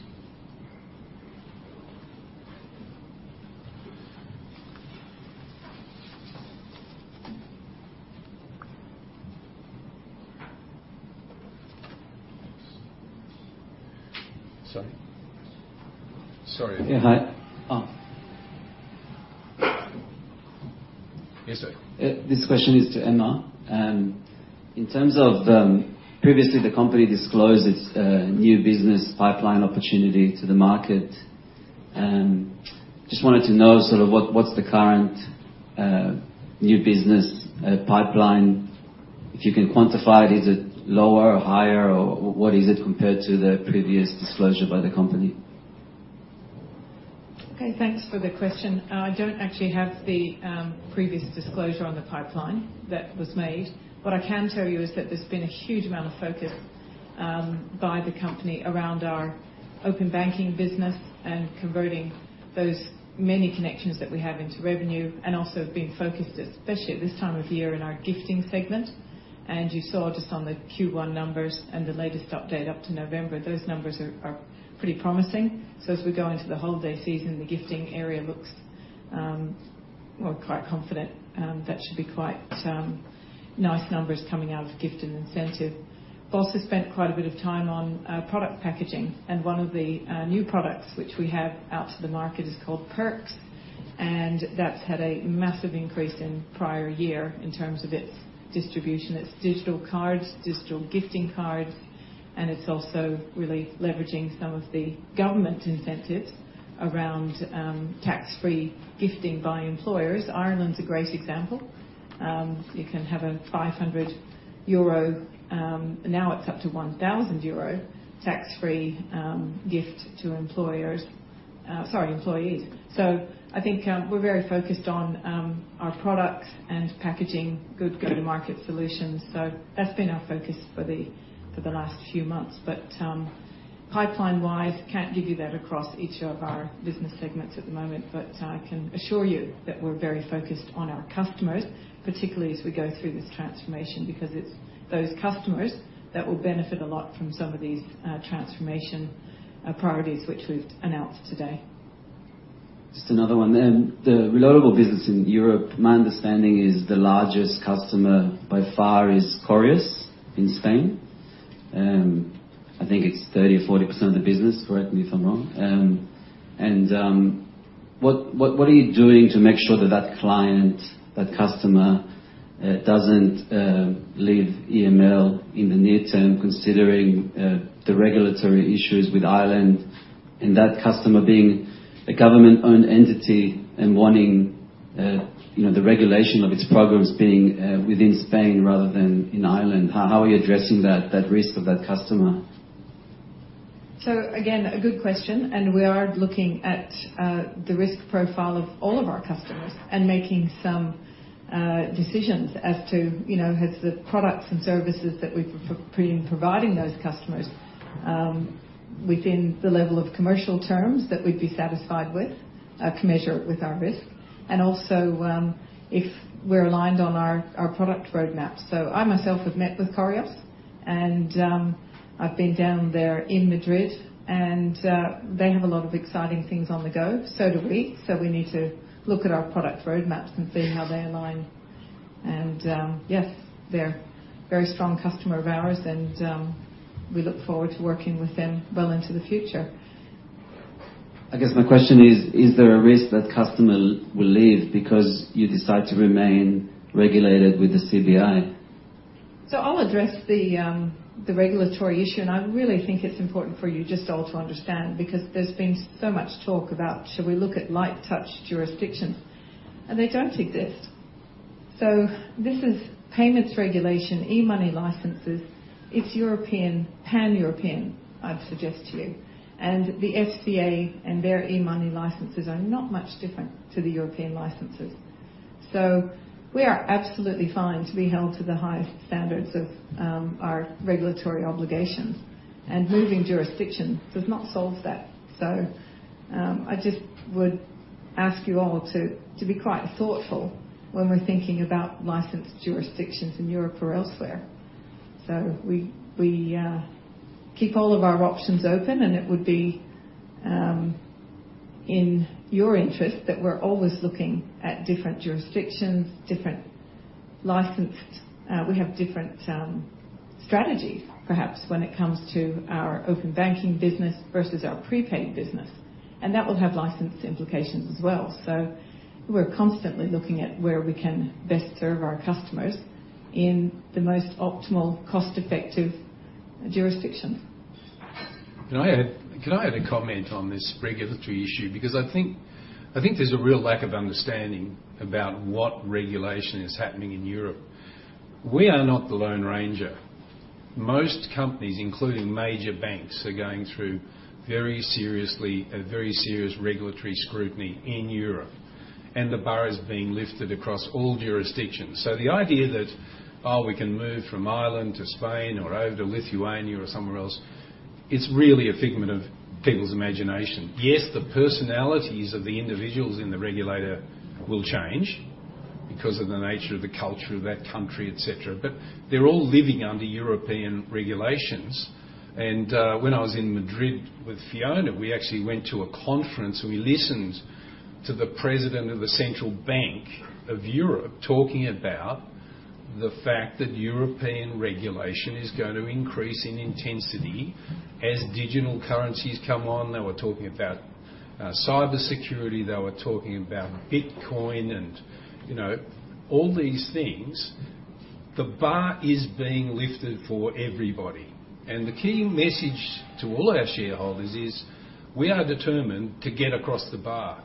Sorry. Sorry. Yeah. Hi. Oh. Yes, sir. This question is to Emma. In terms of, previously the company disclosed its new business pipeline opportunity to the market. Just wanted to know sort of what's the current new business pipeline? If you can quantify it, is it lower or higher or what is it compared to the previous disclosure by the company? Okay, thanks for the question. I don't actually have the previous disclosure on the pipeline that was made. What I can tell you is that there's been a huge amount of focus by the company around our open banking business and converting those many connections that we have into revenue and also being focused, especially at this time of year in our gifting segment. You saw just on the Q1 numbers and the latest update up to November, those numbers are pretty promising. As we go into the holiday season, the gifting area looks, we're quite confident that should be quite nice numbers coming out of gift and incentive. Also spent quite a bit of time on product packaging, and one of the new products which we have out to the market is called Perks, and that's had a massive increase in prior year in terms of its distribution. It's digital cards, digital gifting cards, and it's also really leveraging some of the government incentives around tax-free gifting by employers. Ireland's a great example. You can have a 500 euro, now it's up to 1,000 euro tax-free gift to employees. I think we're very focused on our products and packaging, good go-to-market solutions. That's been our focus for the last few months. Pipeline-wise, can't give you that across each of our business segments at the moment. I can assure you that we're very focused on our customers, particularly as we go through this transformation, because it's those customers that will benefit a lot from some of these, transformation, priorities which we've announced today. Another one then. The reloadable business in Europe, my understanding is the largest customer by far is Correos in Spain. I think it's 30% or 40% of the business, correct me if I'm wrong. What are you doing to make sure that that client, that customer, doesn't leave EML in the near term, considering the regulatory issues with Ireland and that customer being a government-owned entity and wanting, you know, the regulation of its progress being within Spain rather than in Ireland? How are you addressing that risk of that customer? Again, a good question, and we are looking at the risk profile of all of our customers and making some decisions as to, you know, has the products and services that we've been providing those customers within the level of commercial terms that we'd be satisfied with to measure it with our risk, and also, if we're aligned on our product roadmap. I myself have met with Correos and I've been down there in Madrid and they have a lot of exciting things on the go. Do we. We need to look at our product roadmaps and see how they align. Yes, they're very strong customer of ours and we look forward to working with them well into the future. I guess my question is: Is there a risk that customer will leave because you decide to remain regulated with the CBI? I'll address the regulatory issue, and I really think it's important for you just all to understand because there's been so much talk about should we look at light touch jurisdictions, and they don't exist. This is payments regulation, e-money licenses. It's European, pan-European, I'd suggest to you. The FCA and their e-money licenses are not much different to the European licenses. We are absolutely fine to be held to the highest standards of our regulatory obligations. Moving jurisdictions does not solve that. I just would ask you all to be quite thoughtful when we're thinking about licensed jurisdictions in Europe or elsewhere. We keep all of our options open and it would be in your interest that we're always looking at different jurisdictions, different licensed. We have different strategy, perhaps when it comes to our open banking business versus our prepaid business. That will have license implications as well. We're constantly looking at where we can best serve our customers in the most optimal cost-effective jurisdiction. Can I add a comment on this regulatory issue? I think there's a real lack of understanding about what regulation is happening in Europe. We are not the lone ranger. Most companies, including major banks, are going through a very serious regulatory scrutiny in Europe. The bar is being lifted across all jurisdictions. The idea that, oh, we can move from Ireland to Spain or over to Lithuania or somewhere else, it's really a figment of people's imagination. Yes, the personalities of the individuals in the regulator will change because of the nature of the culture of that country, et cetera, but they're all living under European regulations. When I was in Madrid with Fiona, we actually went to a conference, we listened to the president of the European Central Bank talking about the fact that European regulation is going to increase in intensity as digital currencies come on. They were talking about cybersecurity, they were talking about Bitcoin, you know, all these things. The bar is being lifted for everybody. The key message to all our shareholders is we are determined to get across the bar.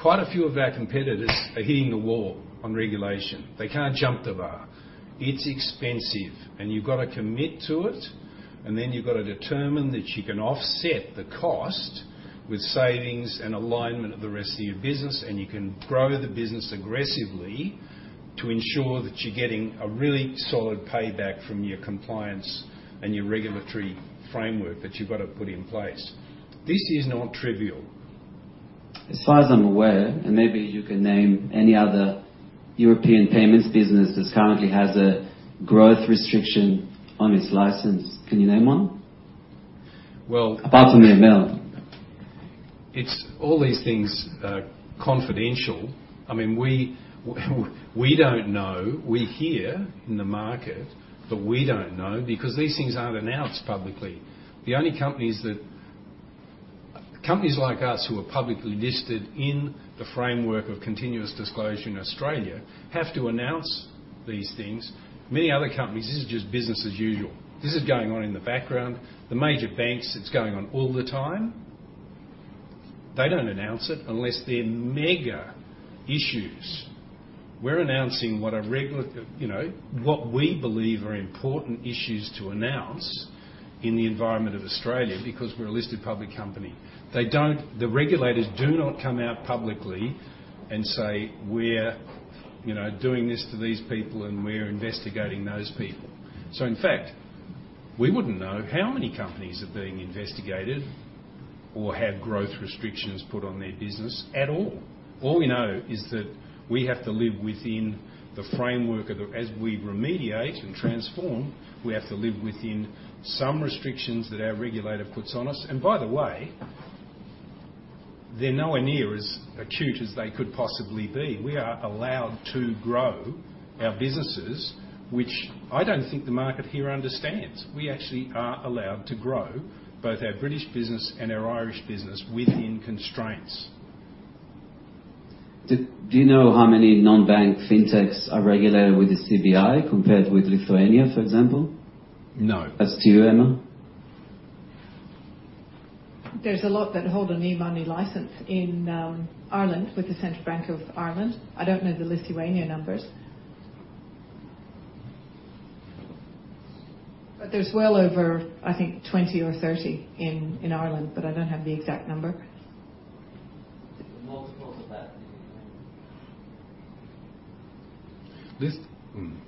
Quite a few of our competitors are hitting the wall on regulation. They can't jump the bar. It's expensive, and you've got to commit to it, and then you've got to determine that you can offset the cost with savings and alignment of the rest of your business, and you can grow the business aggressively to ensure that you're getting a really solid payback from your compliance and your regulatory framework that you've got to put in place. This is not trivial. As far as I'm aware, and maybe you can name any other European payments business that currently has a growth restriction on its license. Can you name one? Well- Apart from EML. All these things are confidential. I mean, we don't know. We hear in the market, but we don't know because these things aren't announced publicly. Companies like us who are publicly listed in the framework of continuous disclosure in Australia have to announce these things. Many other companies, this is just business as usual. This is going on in the background. The major banks, it's going on all the time. They don't announce it unless they're mega issues. We're announcing you know, what we believe are important issues to announce in the environment of Australia because we're a listed public company. The regulators do not come out publicly and say, "We're, you know, doing this to these people, and we're investigating those people." In fact, we wouldn't know how many companies are being investigated or have growth restrictions put on their business at all. All we know is that we have to live within the framework. As we remediate and transform, we have to live within some restrictions that our regulator puts on us. By the way, they're nowhere near as acute as they could possibly be. We are allowed to grow our businesses, which I don't think the market here understands. We actually are allowed to grow both our British business and our Irish business within constraints. Do you know how many non-bank fintechs are regulated with the CBI compared with Lithuania, for example? No. As to you, Emma. There's a lot that hold an e-money license in Ireland with the Central Bank of Ireland. I don't know the Lithuanian numbers. There's well over, I think, 20 or 30 in Ireland, but I don't have the exact number. Multiples of that in Lithuania.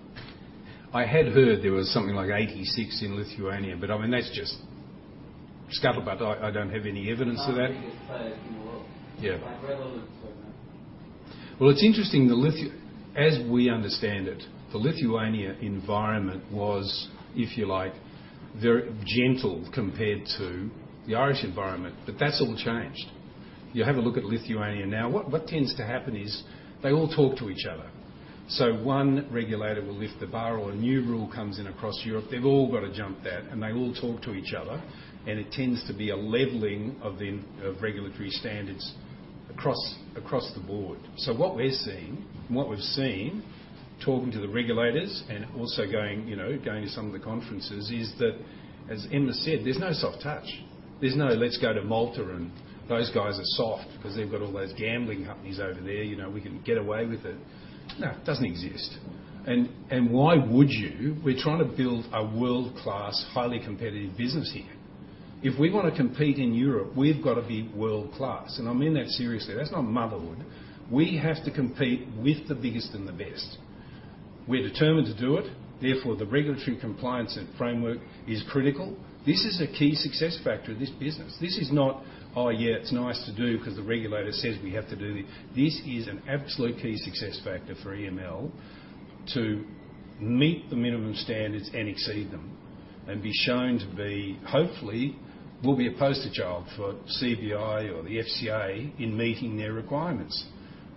I had heard there was something like 86 in Lithuania, but I mean, that's just scuttlebutt. I don't have any evidence of that. Fifth biggest player in the world. Yeah. Like relevance to them. It's interesting. As we understand it, the Lithuania environment was, if you like, very gentle compared to the Irish environment. That's all changed. You have a look at Lithuania now. What tends to happen is they all talk to each other. One regulator will lift the bar or a new rule comes in across Europe. They've all got to jump that, and they all talk to each other, and it tends to be a leveling of the, of regulatory standards across the board. What we're seeing, and what we've seen, talking to the regulators and also going, you know, going to some of the conferences, is that, as Emma said, there's no soft touch. There's no, "Let's go to Malta, and those guys are soft because they've got all those gambling companies over there. You know, we can get away with it." No, it doesn't exist. Why would you? We're trying to build a world-class, highly competitive business here. If we wanna compete in Europe, we've got to be world-class. I mean that seriously. That's not motherhood. We have to compete with the biggest and the best. We're determined to do it. Therefore, the regulatory compliance and framework is critical. This is a key success factor of this business. This is not, "Oh, yeah, it's nice to do because the regulator says we have to do it." This is an absolute key success factor for EML to meet the minimum standards and exceed them. Be shown to be... Hopefully, we'll be a poster child for CBI or the FCA in meeting their requirements.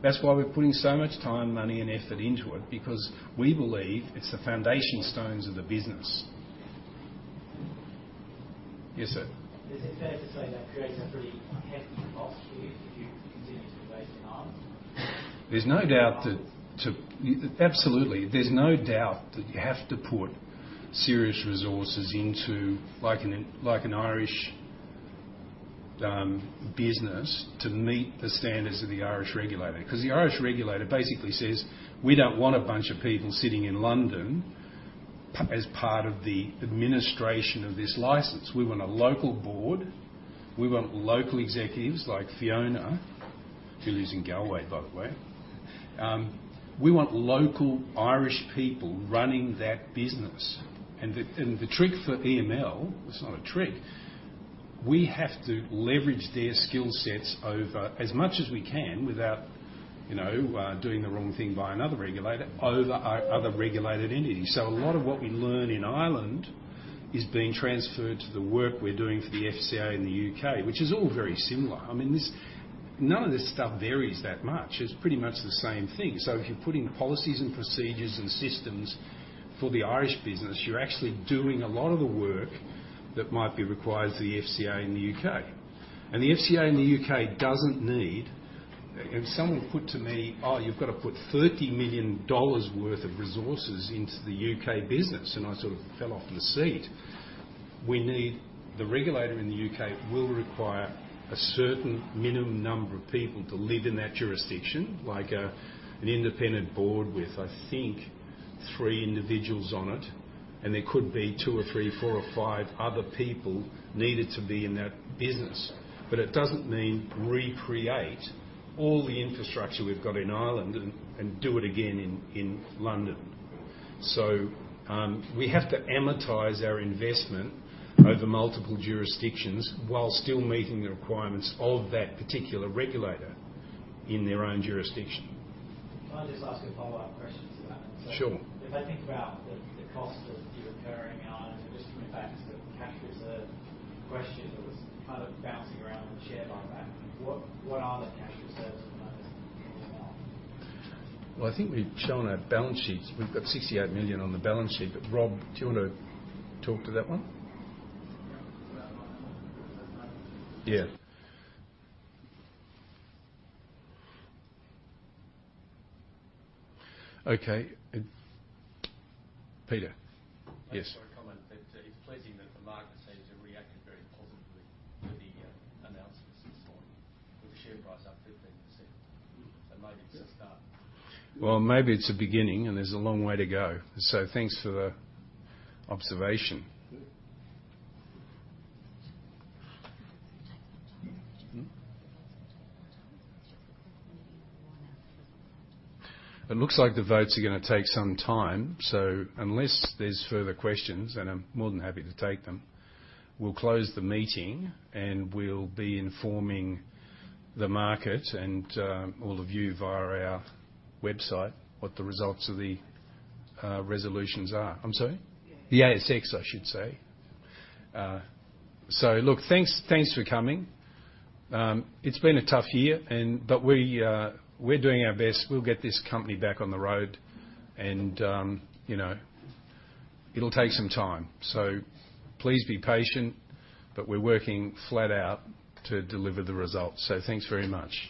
That's why we're putting so much time, money, and effort into it, because we believe it's the foundation stones of the business. Yes, sir. Is it fair to say that creates a pretty hefty cost for you if you continue to base in Ireland? Absolutely. There's no doubt that you have to put serious resources into like an Irish business to meet the standards of the Irish regulator. Because the Irish regulator basically says, "We don't want a bunch of people sitting in London as part of the administration of this license. We want a local board. We want local executives like Fiona," who lives in Galway, by the way. "We want local Irish people running that business." The trick for EML, it's not a trick, we have to leverage their skillsets over as much as we can without, you know, doing the wrong thing by another regulator, over our other regulated entities. So a lot of what we learn in Ireland is being transferred to the work we're doing for the FCA in the U.K., which is all very similar. I mean, None of this stuff varies that much. It's pretty much the same thing. If you're putting policies and procedures and systems for the Irish business, you're actually doing a lot of the work that might be required for the FCA in the U.K. The FCA in the U.K. doesn't need. Someone put to me, "Oh, you've gotta put 30 million dollars worth of resources into the U.K. business." I sort of fell off my seat. We need. The regulator in the U.K. will require a certain minimum number of people to live in that jurisdiction, like a, an independent board with, I think, three individuals on it. There could be two or three, four or five other people needed to be in that business. It doesn't mean recreate all the infrastructure we've got in Ireland and do it again in London. We have to amortize our investment over multiple jurisdictions while still meeting the requirements of that particular regulator in their own jurisdiction. Can I just ask a follow-up question to that then? Sure. If I think about the cost of you occurring in Ireland, and just coming back to the cash reserve question that was kind of bouncing around the share price happening, what are the cash reserves at the moment in Ireland? Well, I think we've shown our balance sheets. We've got 68 million on the balance sheet. Rob, do you want to talk to that one? Yeah. Yeah. Okay. Peter. Yes. Sorry, a comment that it's pleasing that the market seems to have reacted very positively to the announcements this morning, with the share price up 15%. Maybe it's a start. Well, maybe it's a beginning, and there's a long way to go. Thanks for the observation. Good. It looks like the votes are gonna take some time, so unless there's further questions, and I'm more than happy to take them, we'll close the meeting, and we'll be informing the market and all of you via our website, what the results of the resolutions are. I'm sorry? The ASX. The ASX, I should say. Look, thanks for coming. It's been a tough year. We're doing our best. We'll get this company back on the road and, you know. It'll take some time. Please be patient, but we're working flat out to deliver the results. Thanks very much.